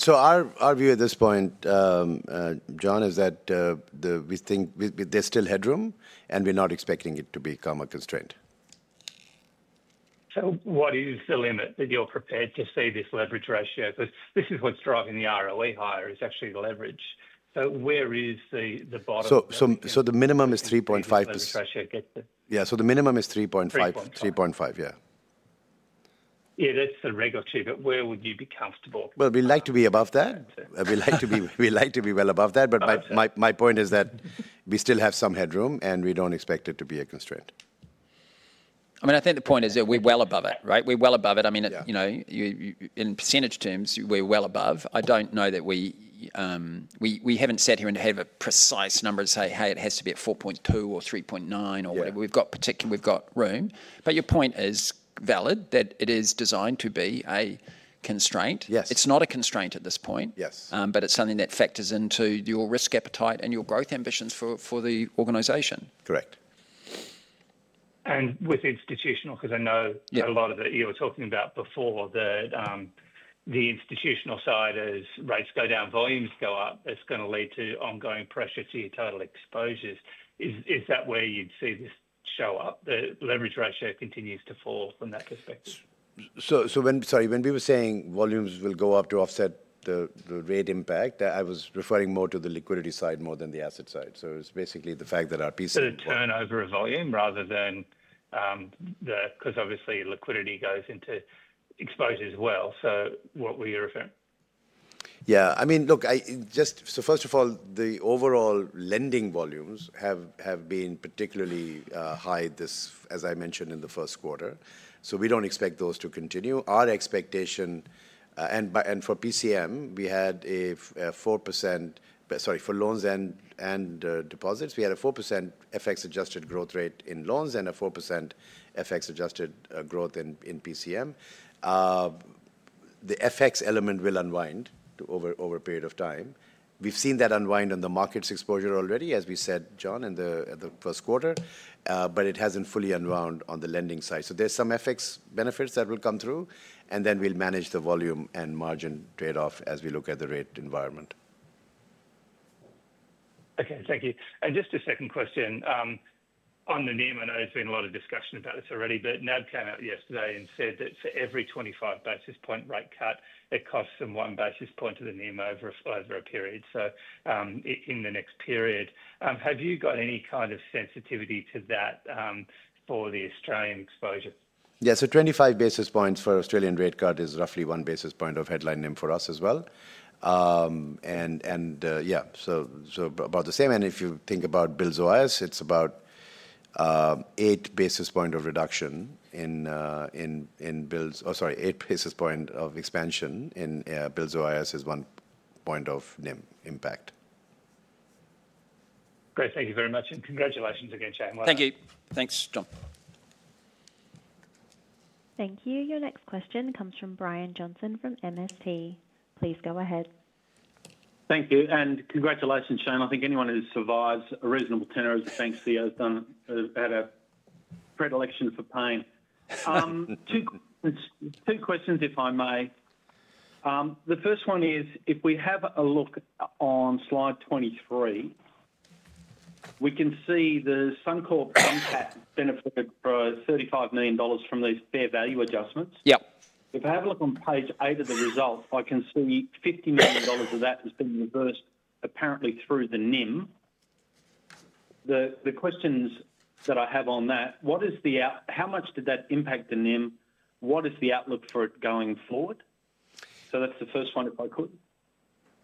Our view at this point, Jon, is that we think there's still headroom, and we're not expecting it to become a constraint. What is the limit that you're prepared to see this leverage ratio? This is what's driving the ROE higher, is actually the leverage. Where is the bottom? The minimum is 3.5%. Yeah. The minimum is 3.5%. 3.5%. Yeah. Yeah, that's the regulatory. Where would you be comfortable? We'd like to be above that. We'd like to be well above that. My point is that we still have some headroom, and we do not expect it to be a constraint. I mean, I think the point is that we are well above it, right? We are well above it. I mean, in percentage terms, we are well above. I do not know that we have not sat here and had a precise number and say, "Hey, it has to be at 4.2 or 3.9 or whatever." We have got room. Your point is valid, that it is designed to be a constraint. It is not a constraint at this point, but it is something that factors into your risk appetite and your growth ambitions for the organisation. Correct. With institutional, because I know a lot of it you were talking about before, the institutional side is rates go down, volumes go up. That is going to lead to ongoing pressure to your total exposures. Is that where you'd see this show up, that leverage ratio continues to fall from that perspective? Sorry, when we were saying volumes will go up to offset the rate impact, I was referring more to the liquidity side more than the asset side. It is basically the fact that our PCM is, so the turnover of volume rather than the, because obviously, liquidity goes into exposures as well. What were you referring to? Yeah. I mean, look, just first of all, the overall lending volumes have been particularly high this, as I mentioned, in the first quarter. We do not expect those to continue. Our expectation, and for PCM, we had a 4%—sorry, for loans and deposits, we had a 4% FX adjusted growth rate in loans and a 4% FX adjusted growth in PCM. The FX element will unwind over a period of time. We've seen that unwind on the markets exposure already, as we said, John, in the first quarter, but it hasn't fully unwound on the lending side. There are some FX benefits that will come through, and then we'll manage the volume and margin trade-off as we look at the rate environment. Okay. Thank you. Just a second question on the NIM. I know there's been a lot of discussion about this already, but NAB came out yesterday and said that for every 25 basis point rate cut, it costs them one basis point of the NIM over a period, so in the next period. Have you got any kind of sensitivity to that for the Australian exposure? Yeah. So 25 basis points for Australian rate cut is roughly one basis point of headline NIM for us as well. Yeah, so about the same. If you think about Bills OIS, it is about eight basis points of reduction in Bills, oh, sorry, eight basis points of expansion in Bills OIS is one point of NIM impact. Great. Thank you very much. Congratulations again, Shayne. Thank you. Thanks, Jon. Thank you. Your next question comes from Brian Johnson from MST. Please go ahead. Thank you. Congratulations, Shayne. I think anyone who survives a reasonable tenure as a bank CEO has had a predilection for pain. Two questions, if I may. The first one is, if we have a look on slide 23, we can see that Suncorp benefited for 35 million dollars from these fair value adjustments. If I have a look on page eight of the results, I can see 50 million dollars of that has been reversed, apparently through the NIM. The questions that I have on that, what is the how much did that impact the NIM? What is the outlook for it going forward? That is the first one, if I could.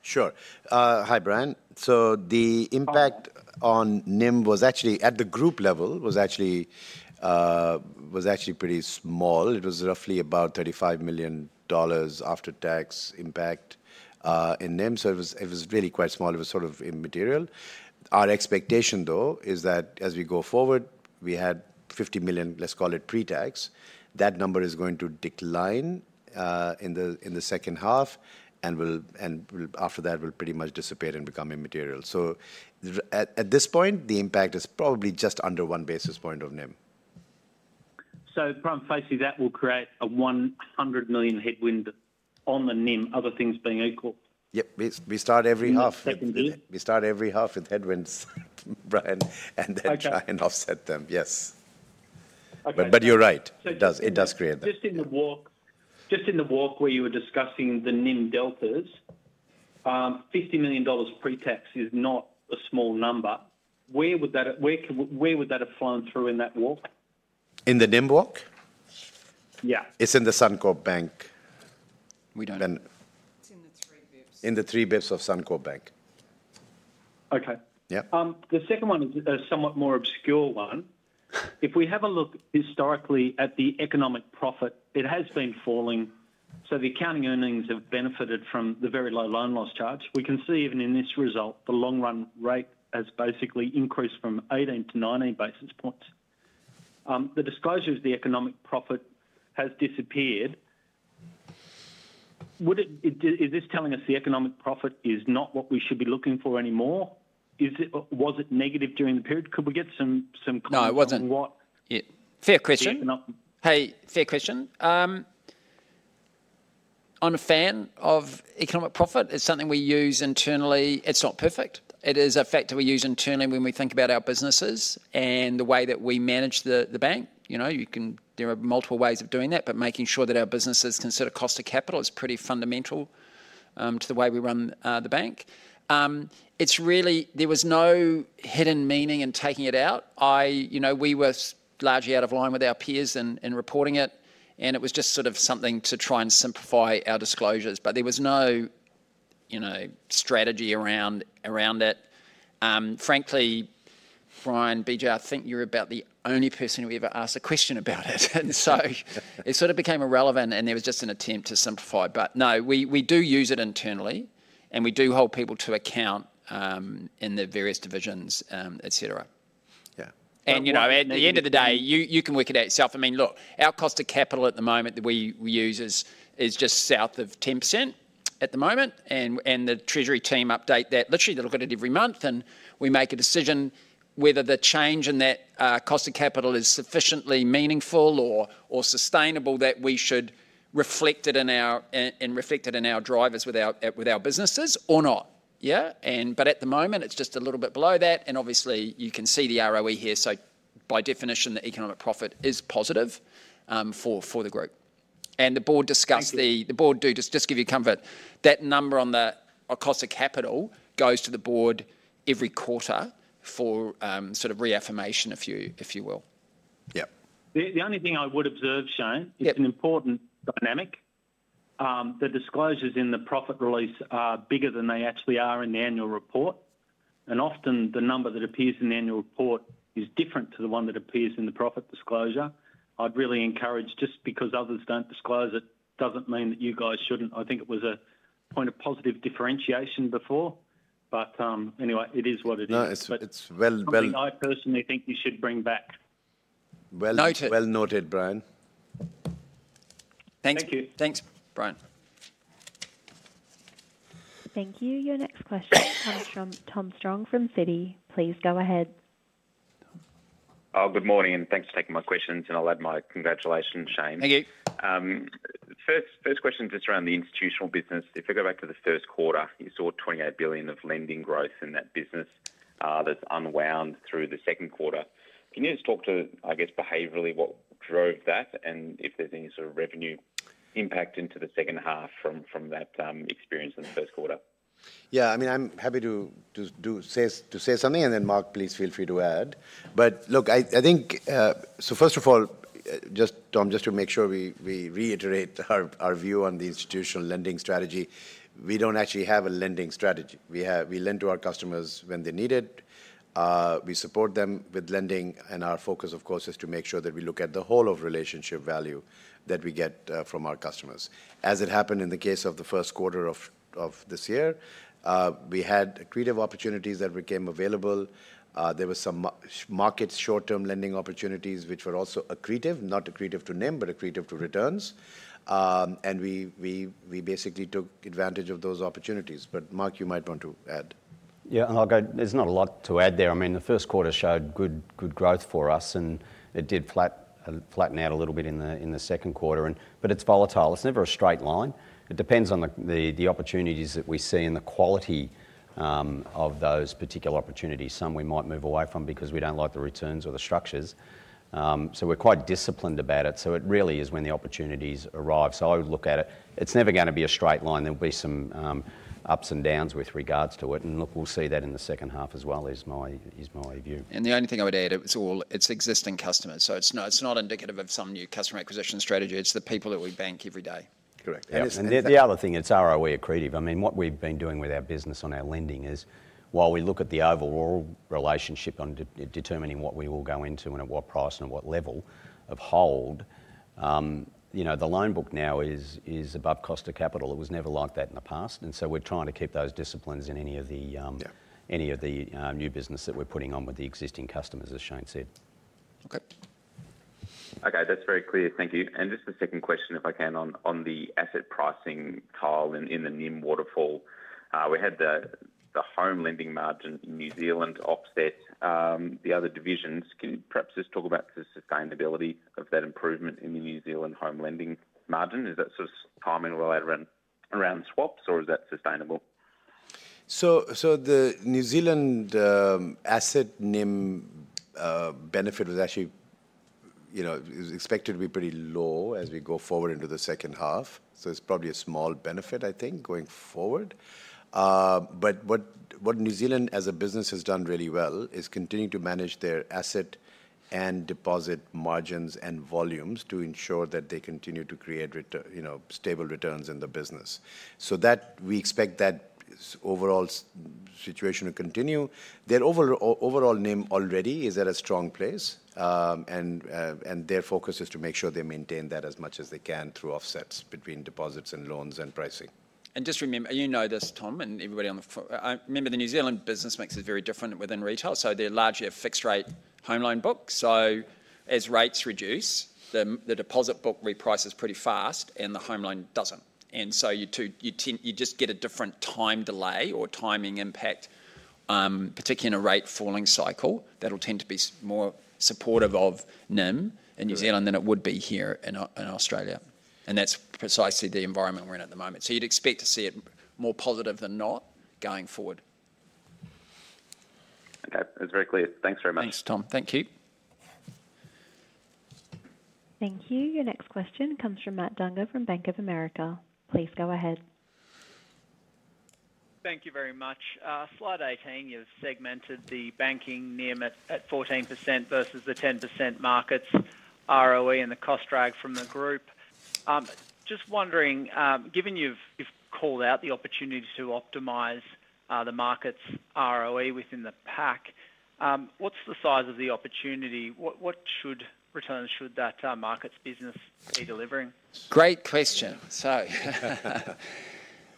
Sure. Hi, Brian. The impact on NIM was actually at the group level was actually pretty small. It was roughly about 35 million dollars after-tax impact in NIM. It was really quite small. It was sort of immaterial. Our expectation, though, is that as we go forward, we had 50 million, let's call it pre-tax. That number is going to decline in the second half, and after that, it will pretty much dissipate and become immaterial. At this point, the impact is probably just under one basis point of NIM. From facing that, we will create a 100 million headwind on the NIM, other things being equal? Yep. We start every half. We start every half with headwinds, Brian, and then try and offset them. Yes. You are right. It does create that. Just in the walk where you were discussing the NIM deltas, 50 million dollars pre-tax is not a small number. Where would that have flown through in that walk? In the NIM walk? Yeah. It is in the Suncorp Bank. We do not know. It is in the three basis points. In the three basis points of Suncorp Bank. Okay. The second one is a somewhat more obscure one. If we have a look historically at the economic profit, it has been falling. The accounting earnings have benefited from the very low loan loss charge. We can see even in this result, the long run rate has basically increased from 18 basis points-19 basis points. The disclosure of the economic profit has disappeared. Is this telling us the economic profit is not what we should be looking for anymore? Was it negative during the period? Could we get some comments on what? No, it was not. Fair question. Hey, fair question. I am a fan of economic profit. It is something we use internally. It is not perfect. It is a factor we use internally when we think about our businesses and the way that we manage the bank. There are multiple ways of doing that, but making sure that our businesses consider cost of capital is pretty fundamental to the way we run the bank. There was no hidden meaning in taking it out. We were largely out of line with our peers in reporting it, and it was just sort of something to try and simplify our disclosures. There was no strategy around that. Frankly, Brian, BJ, I think you're about the only person who ever asked a question about it. It sort of became irrelevant, and there was just an attempt to simplify. No, we do use it internally, and we do hold people to account in the various divisions, etc. Yeah. At the end of the day, you can work it out yourself. I mean, look, our cost of capital at the moment that we use is just south of 10% at the moment. The treasury team update that. Literally, they look at it every month, and we make a decision whether the change in that cost of capital is sufficiently meaningful or sustainable that we should reflect it in our drivers with our businesses or not. Yeah. At the moment, it's just a little bit below that. Obviously, you can see the ROE here. By definition, the economic profit is positive for the group. The board discussed, the board do just give you comfort. That number on the cost of capital goes to the board every quarter for sort of reaffirmation, if you will. Yeah. The only thing I would observe, Shayne, it's an important dynamic. The disclosures in the profit release are bigger than they actually are in the annual report. Often, the number that appears in the annual report is different to the one that appears in the profit disclosure. I'd `really encourage, just because others do not disclose it does not mean that you guys should not. I think it was a point of positive differentiation before. Anyway, it is what it is. No, it's well. I personally think you should bring back. Well noted, Brian. Thank you. Thanks, Brian. Thank you. Your next question comes from Tom Strong from Citi. Please go ahead. Good morning, and thanks for taking my questions. I'll add my congratulations, Shayne. Thank you. First question just around the institutional business. If we go back to the first quarter, you saw 28 billion of lending growth in that business that's unwound through the second quarter. Can you just talk to, I guess, behaviorally what drove that and if there's any sort of revenue impact into the second half from that experience in the first quarter? Yeah. I mean, I'm happy to say something, and then Mark, please feel free to add. Look, I think so first of all, just Tom, just to make sure we reiterate our view on the institutional lending strategy, we don't actually have a lending strategy. We lend to our customers when they need it. We support them with lending. Our focus, of course, is to make sure that we look at the whole of relationship value that we get from our customers. As it happened in the case of the first quarter of this year, we had accretive opportunities that became available. There were some market short-term lending opportunities which were also accretive, not accretive to NIM, but accretive to returns. We basically took advantage of those opportunities. Mark, you might want to add. Yeah. I'll go. There's not a lot to add there. I mean, the first quarter showed good growth for us, and it did flatten out a little bit in the second quarter. It is volatile. It's never a straight line. It depends on the opportunities that we see and the quality of those particular opportunities. Some we might move away from because we do not like the returns or the structures. We're quite disciplined about it. It really is when the opportunities arrive. I would look at it. It's never going to be a straight line. There will be some ups and downs with regards to it. We'll see that in the second half as well, is my view. The only thing I would add, it's all existing customers. It's not indicative of some new customer acquisition strategy. It's the people that we bank every day. Correct. The other thing, it's ROE accretive. I mean, what we've been doing with our business on our lending is while we look at the overall relationship on determining what we will go into and at what price and at what level of hold, the loan book now is above cost of capital. It was never like that in the past. We're trying to keep those disciplines in any of the new business that we're putting on with the existing customers, as Shayne said. Okay. That's very clear. Thank you. Just a second question, if I can, on the asset pricing tile in the NIM waterfall. We had the home lending margin in New Zealand offset the other divisions. Can you perhaps just talk about the sustainability of that improvement in the New Zealand home lending margin? Is that sort of timing well out around swaps, or is that sustainable? The New Zealand asset NIM benefit was actually expected to be pretty low as we go forward into the second half. It's probably a small benefit, I think, going forward. What New Zealand as a business has done really well is continue to manage their asset and deposit margins and volumes to ensure that they continue to create stable returns in the business. We expect that overall situation to continue. Their overall NIM already is at a strong place, and their focus is to make sure they maintain that as much as they can through offsets between deposits and loans and pricing. Just remember, you know this, Tom, and everybody on the, I remember the New Zealand business makes it very different within retail. They're largely a fixed-rate home loan book. As rates reduce, the deposit book reprices pretty fast, and the home loan doesn't. You just get a different time delay or timing impact, particularly in a rate falling cycle. That'll tend to be more supportive of NIM in New Zealand than it would be here in Australia. That's precisely the environment we're in at the moment. You'd expect to see it more positive than not going forward. Okay. That's very clear. Thanks very much. Thanks, Tom. Thank you. Thank you. Your next question comes from Matt Dunger from Bank of America. Please go ahead. Thank you very much. Slide 18 is segmented the banking NIM at 14% versus the 10% markets ROE and the cost drag from the group. Just wondering, given you've called out the opportunity to optimise the markets ROE within the pack, what's the size of the opportunity? What returns should that markets business be delivering? Great question. First of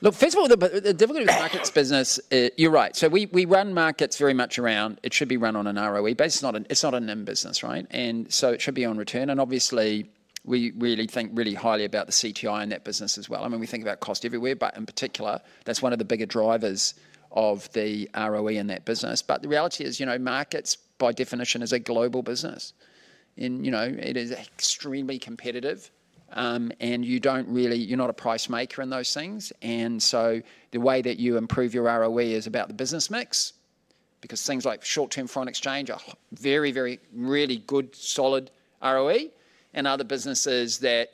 all, the difficulty with markets business, you're right. We run markets very much around it should be run on an ROE basis. It's not a NIM business, right? It should be on return. Obviously, we really think really highly about the CTI in that business as well. I mean, we think about cost everywhere, but in particular, that's one of the bigger drivers of the ROE in that business. The reality is markets, by definition, is a global business. It is extremely competitive, and you're not a price maker in those things. The way that you improve your ROE is about the business mix because things like short-term foreign exchange are very, very really good, solid ROE. Other businesses that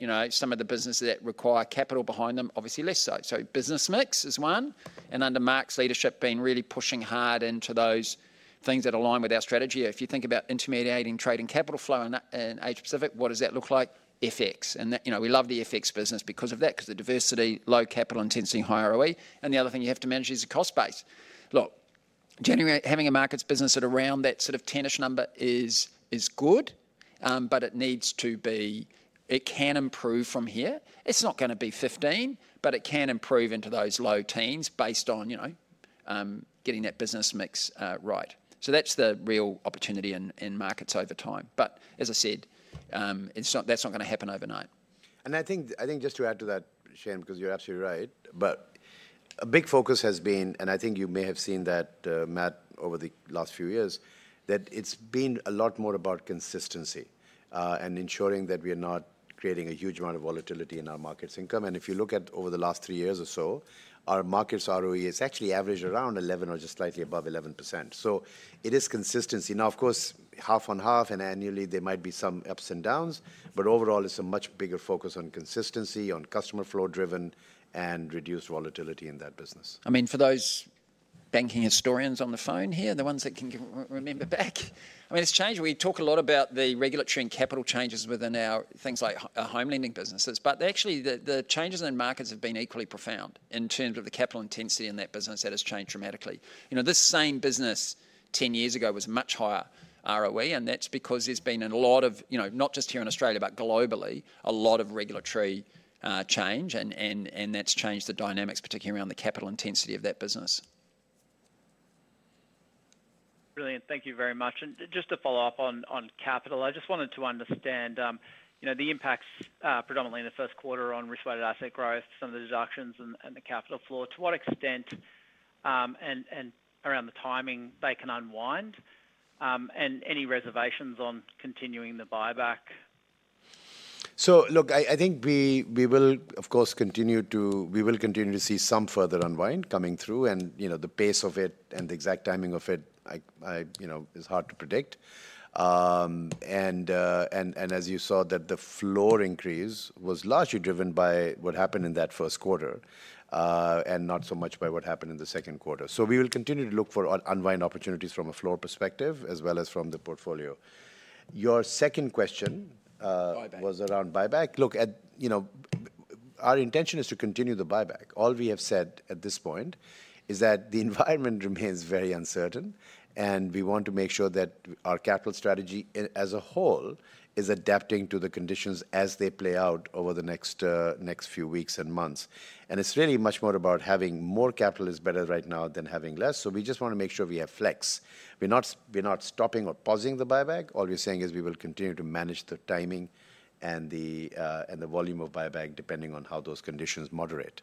require capital behind them, obviously less so. Business mix is one. Under Mark's leadership, being really pushing hard into those things that align with our strategy. If you think about intermediating trading capital flow in Asia Pacific, what does that look like? FX. We love the FX business because of that, because the diversity, low capital intensity, high ROE. The other thing you have to manage is the cost base. Look, having a markets business at around that sort of tennis number is good, but it needs to be, it can improve from here. It's not going to be 15, but it can improve into those low teens based on getting that business mix right. That is the real opportunity in markets over time. As I said, that's not going to happen overnight. I think just to add to that, Shayne, because you're absolutely right, a big focus has been, and I think you may have seen that, Matt, over the last few years, that it's been a lot more about consistency and ensuring that we are not creating a huge amount of volatility in our markets income. If you look at over the last three years or so, our markets ROE has actually averaged around 11 or just slightly above 11%. It is consistency. Of course, half on half, and annually, there might be some ups and downs. Overall, it's a much bigger focus on consistency, on customer flow driven, and reduced volatility in that business. I mean, for those banking historians on the phone here, the ones that can remember back, I mean, it's changed. We talk a lot about the regulatory and capital changes within our things like home lending businesses. Actually, the changes in markets have been equally profound in terms of the capital intensity in that business. That has changed dramatically. This same business 10 years ago was much higher ROE, and that's because there's been a lot of not just here in Australia, but globally, a lot of regulatory change. That's changed the dynamics, particularly around the capital intensity of that business. Brilliant. Thank you very much. Just to follow up on capital, I just wanted to understand the impacts predominantly in the first quarter on responded asset growth, some of the deductions and the capital flow. To what extent and around the timing they can unwind and any reservations on continuing the buyback? I think we will, of course, continue to we will continue to see some further unwind coming through. The pace of it and the exact timing of it is hard to predict. As you saw, the floor increase was largely driven by what happened in that first quarter and not so much by what happened in the second quarter. We will continue to look for unwind opportunities from a floor perspective as well as from the portfolio. Your second question was around buyback. Our intention is to continue the buyback. All we have said at this point is that the environment remains very uncertain, and we want to make sure that our capital strategy as a whole is adapting to the conditions as they play out over the next few weeks and months. It is really much more about having more capital is better right now than having less. We just want to make sure we have flex. We are not stopping or pausing the buyback. All we are saying is we will continue to manage the timing and the volume of buyback depending on how those conditions moderate.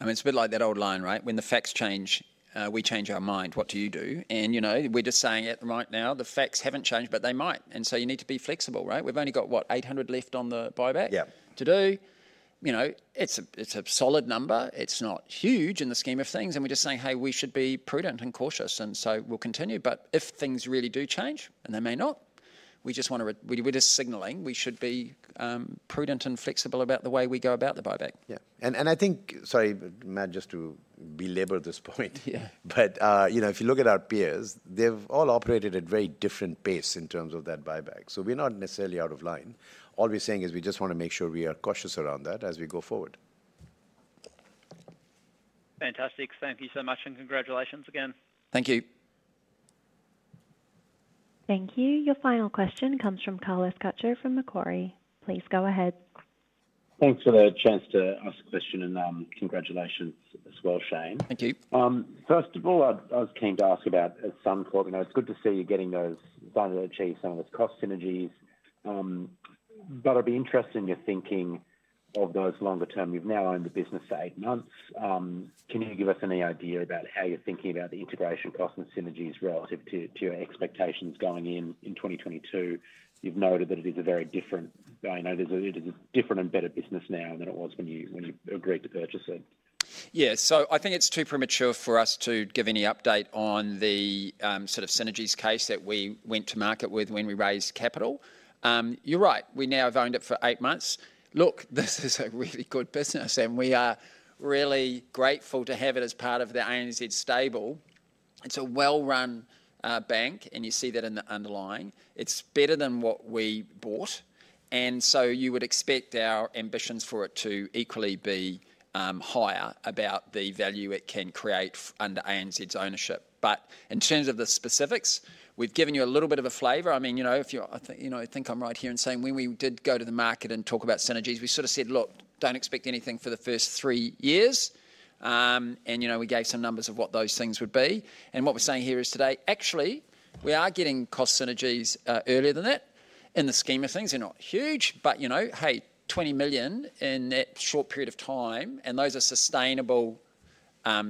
I mean, it is a bit like that old line, right? When the facts change, we change our mind. What do you do? We are just saying right now, the facts have not changed, but they might. You need to be flexible, right? We have only got, what, 800 million left on the buyback to do. It is a solid number. It is not huge in the scheme of things. We are just saying, hey, we should be prudent and cautious. We will continue. If things really do change and they may not, we just want to, we're just signalling we should be prudent and flexible about the way we go about the buyback. Yeah. I think, sorry, Matt, just to belabor this point, if you look at our peers, they've all operated at very different pace in terms of that buyback. We're not necessarily out of line. All we're saying is we just want to make sure we are cautious around that as we go forward. Fantastic. Thank you so much. Congratulations again. Thank you. Thank you. Your final question comes from Carlos Cacho from Macquarie. Please go ahead. Thanks for the chance to ask a question. Congratulations as well, Shayne. Thank you. First of all, I was keen to ask about some talk. It's good to see you're getting some of those cost synergies. I would be interested in your thinking of those longer term. You have now owned the business for eight months. Can you give us any idea about how you are thinking about the integration cost and synergies relative to your expectations going in in 2022? You have noted that it is a very different, it is a different and better business now than it was when you agreed to purchase it. Yeah. I think it is too premature for us to give any update on the sort of synergies case that we went to market with when we raised capital. You are right. We now have owned it for eight months. Look, this is a really good business. We are really grateful to have it as part of the ANZ stable. It is a well-run bank. You see that in the underlying. It is better than what we bought. You would expect our ambitions for it to equally be higher about the value it can create under ANZ's ownership. In terms of the specifics, we've given you a little bit of a flavour. I mean, if you think I'm right here in saying when we did go to the market and talk about synergies, we sort of said, look, don't expect anything for the first three years. We gave some numbers of what those things would be. What we're saying here is today, actually, we are getting cost synergies earlier than that. In the scheme of things, they're not huge. Hey, 20 million in that short period of time. Those are sustainable synergies. We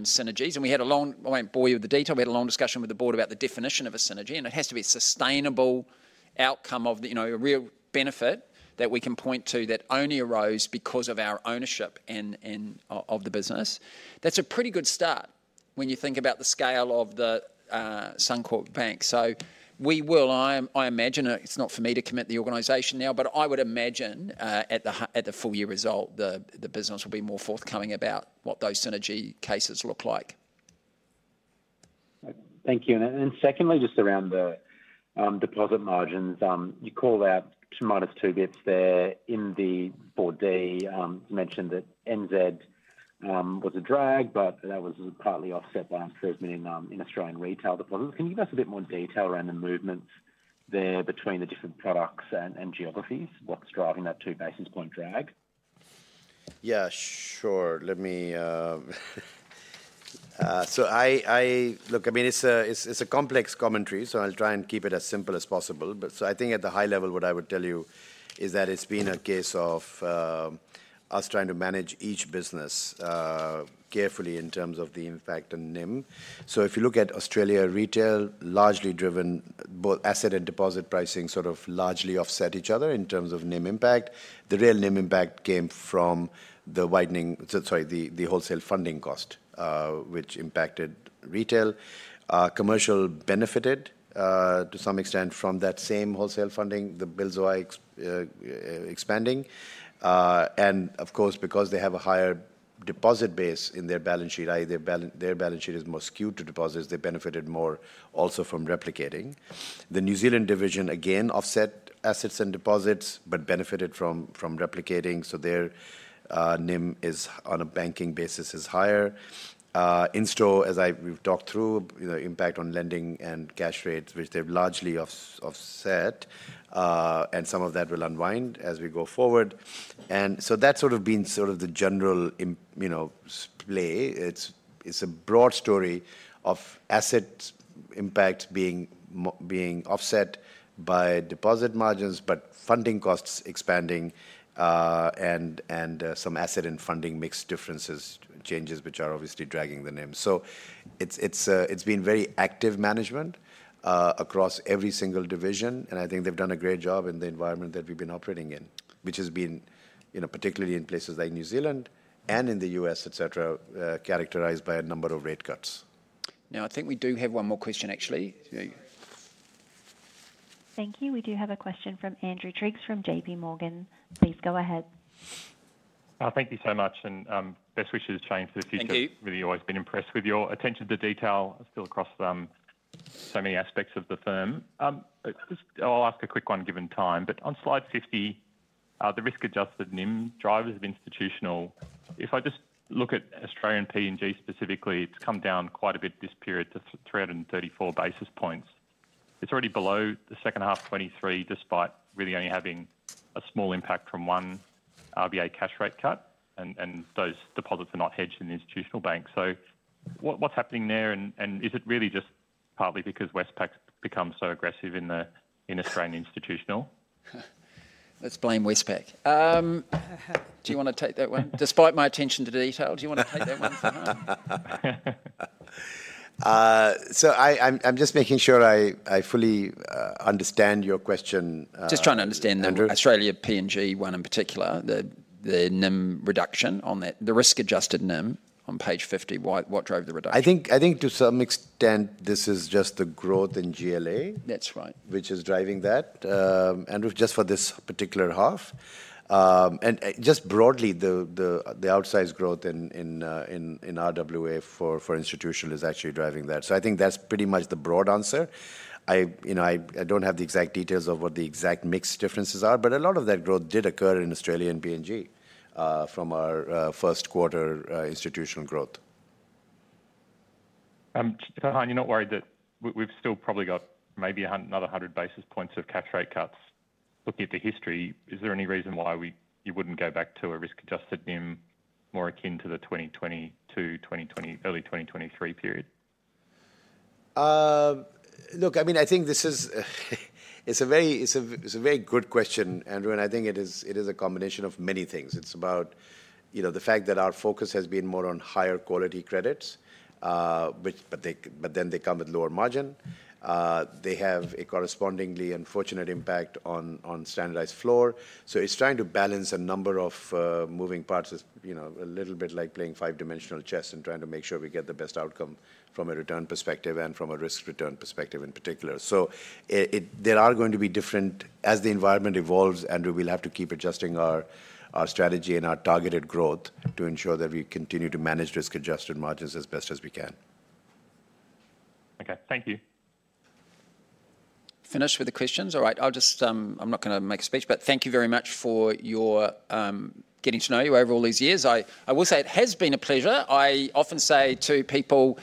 had a long—I won't bore you with the detail—we had a long discussion with the board about the definition of a synergy. It has to be a sustainable outcome of a real benefit that we can point to that only arose because of our ownership of the business. That is a pretty good start when you think about the scale of Suncorp Bank. We will, I imagine, it is not for me to commit the organization now, but I would imagine at the full year result, the business will be more forthcoming about what those synergy cases look like. Thank you. Secondly, just around the deposit margins, you call out minus two basis points there in the board D. You mentioned that NZ was a drag, but that was partly offset by improvement in Australian retail deposits. Can you give us a bit more detail around the movements there between the different products and geographies? What is driving that two basis point drag? Yeah, sure. Look, I mean, it's a complex commentary, so I'll try and keep it as simple as possible. I think at the high level, what I would tell you is that it's been a case of us trying to manage each business carefully in terms of the impact on NIM. If you look at Australia retail, largely driven both asset and deposit pricing sort of largely offset each other in terms of NIM impact. The real NIM impact came from the widening, sorry, the wholesale funding cost, which impacted retail. Commercial benefited to some extent from that same wholesale funding, the Bills OI expanding. Of course, because they have a higher deposit base in their balance sheet, their balance sheet is more skewed to deposits, they benefited more also from replicating. The New Zealand division, again, offset assets and deposits but benefited from replicating. Their NIM is on a banking basis is higher. In store, as we've talked through, impact on lending and cash rates, which they've largely offset. Some of that will unwind as we go forward. That's sort of been the general play. It's a broad story of asset impact being offset by deposit margins, but funding costs expanding and some asset and funding mix differences changes, which are obviously dragging the NIM. It's been very active management across every single division. I think they've done a great job in the environment that we've been operating in, which has been particularly in places like New Zealand and in the U.S., etc., characterized by a number of rate cuts. I think we do have one more question, actually. Thank you. We do have a question from Andrew Triggs from JP Morgan. Please go ahead. Thank you so much. And best wishes of change to the future. Thank you. Really always been impressed with your attention to detail still across so many aspects of the firm. I'll ask a quick one given time. But on slide 50, the risk-adjusted NIM drivers of institutional. If I just look at Australian P&G specifically, it's come down quite a bit this period to 334 basis points. It's already below the second half of 2023, despite really only having a small impact from one RBA cash rate cut. And those deposits are not hedged in the institutional bank. So what's happening there? And is it really just partly because Westpac's become so aggressive in Australian institutional? Let's blame Westpac. Do you want to take that one? Despite my attention to detail, do you want to take that one? So I'm just making sure I fully understand your question. Just trying to understand the Australia P&G one in particular, the NIM reduction on that, the risk-adjusted NIM on page 50, what drove the reduction? I think to some extent, this is just the growth in GLA, which is driving that, just for this particular half. Just broadly, the outsized growth in RWA for institutional is actually driving that. I think that is pretty much the broad answer. I do not have the exact details of what the exact mix differences are, but a lot of that growth did occur in Australian P&G from our first quarter institutional growth. Kind of, you are not worried that we have still probably got maybe another 100 basis points of cash rate cuts? Looking at the history, is there any reason why you would not go back to a risk-adjusted NIM more akin to the 2022, early 2023 period? Look, I mean, I think this is a very good question, Andrew. I think it is a combination of many things. It is about the fact that our focus has been more on higher quality credits, but then they come with lower margin. They have a correspondingly unfortunate impact on standardised floor. It is trying to balance a number of moving parts, a little bit like playing five-dimensional chess and trying to make sure we get the best outcome from a return perspective and from a risk return perspective in particular. There are going to be different, as the environment evolves, Andrew, we will have to keep adjusting our strategy and our targeted growth to ensure that we continue to manage risk-adjusted margins as best as we can. Okay. Thank you. Finished with the questions. All right. I'm not going to make a speech, but thank you very much for getting to know you over all these years. I will say it has been a pleasure. I often say to people,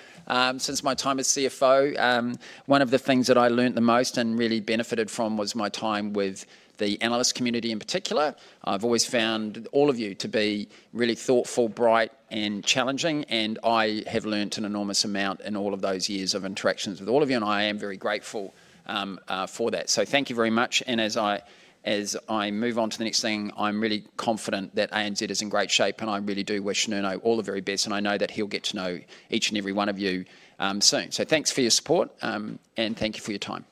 since my time as CFO, one of the things that I learned the most and really benefited from was my time with the analyst community in particular. I've always found all of you to be really thoughtful, bright, and challenging. I have learned an enormous amount in all of those years of interactions with all of you. I am very grateful for that. Thank you very much. As I move on to the next thing, I'm really confident that ANZ is in great shape. I really do wish Nuno all the very best. I know that he'll get to know each and every one of you soon. Thank you for your support. And thank you for your time.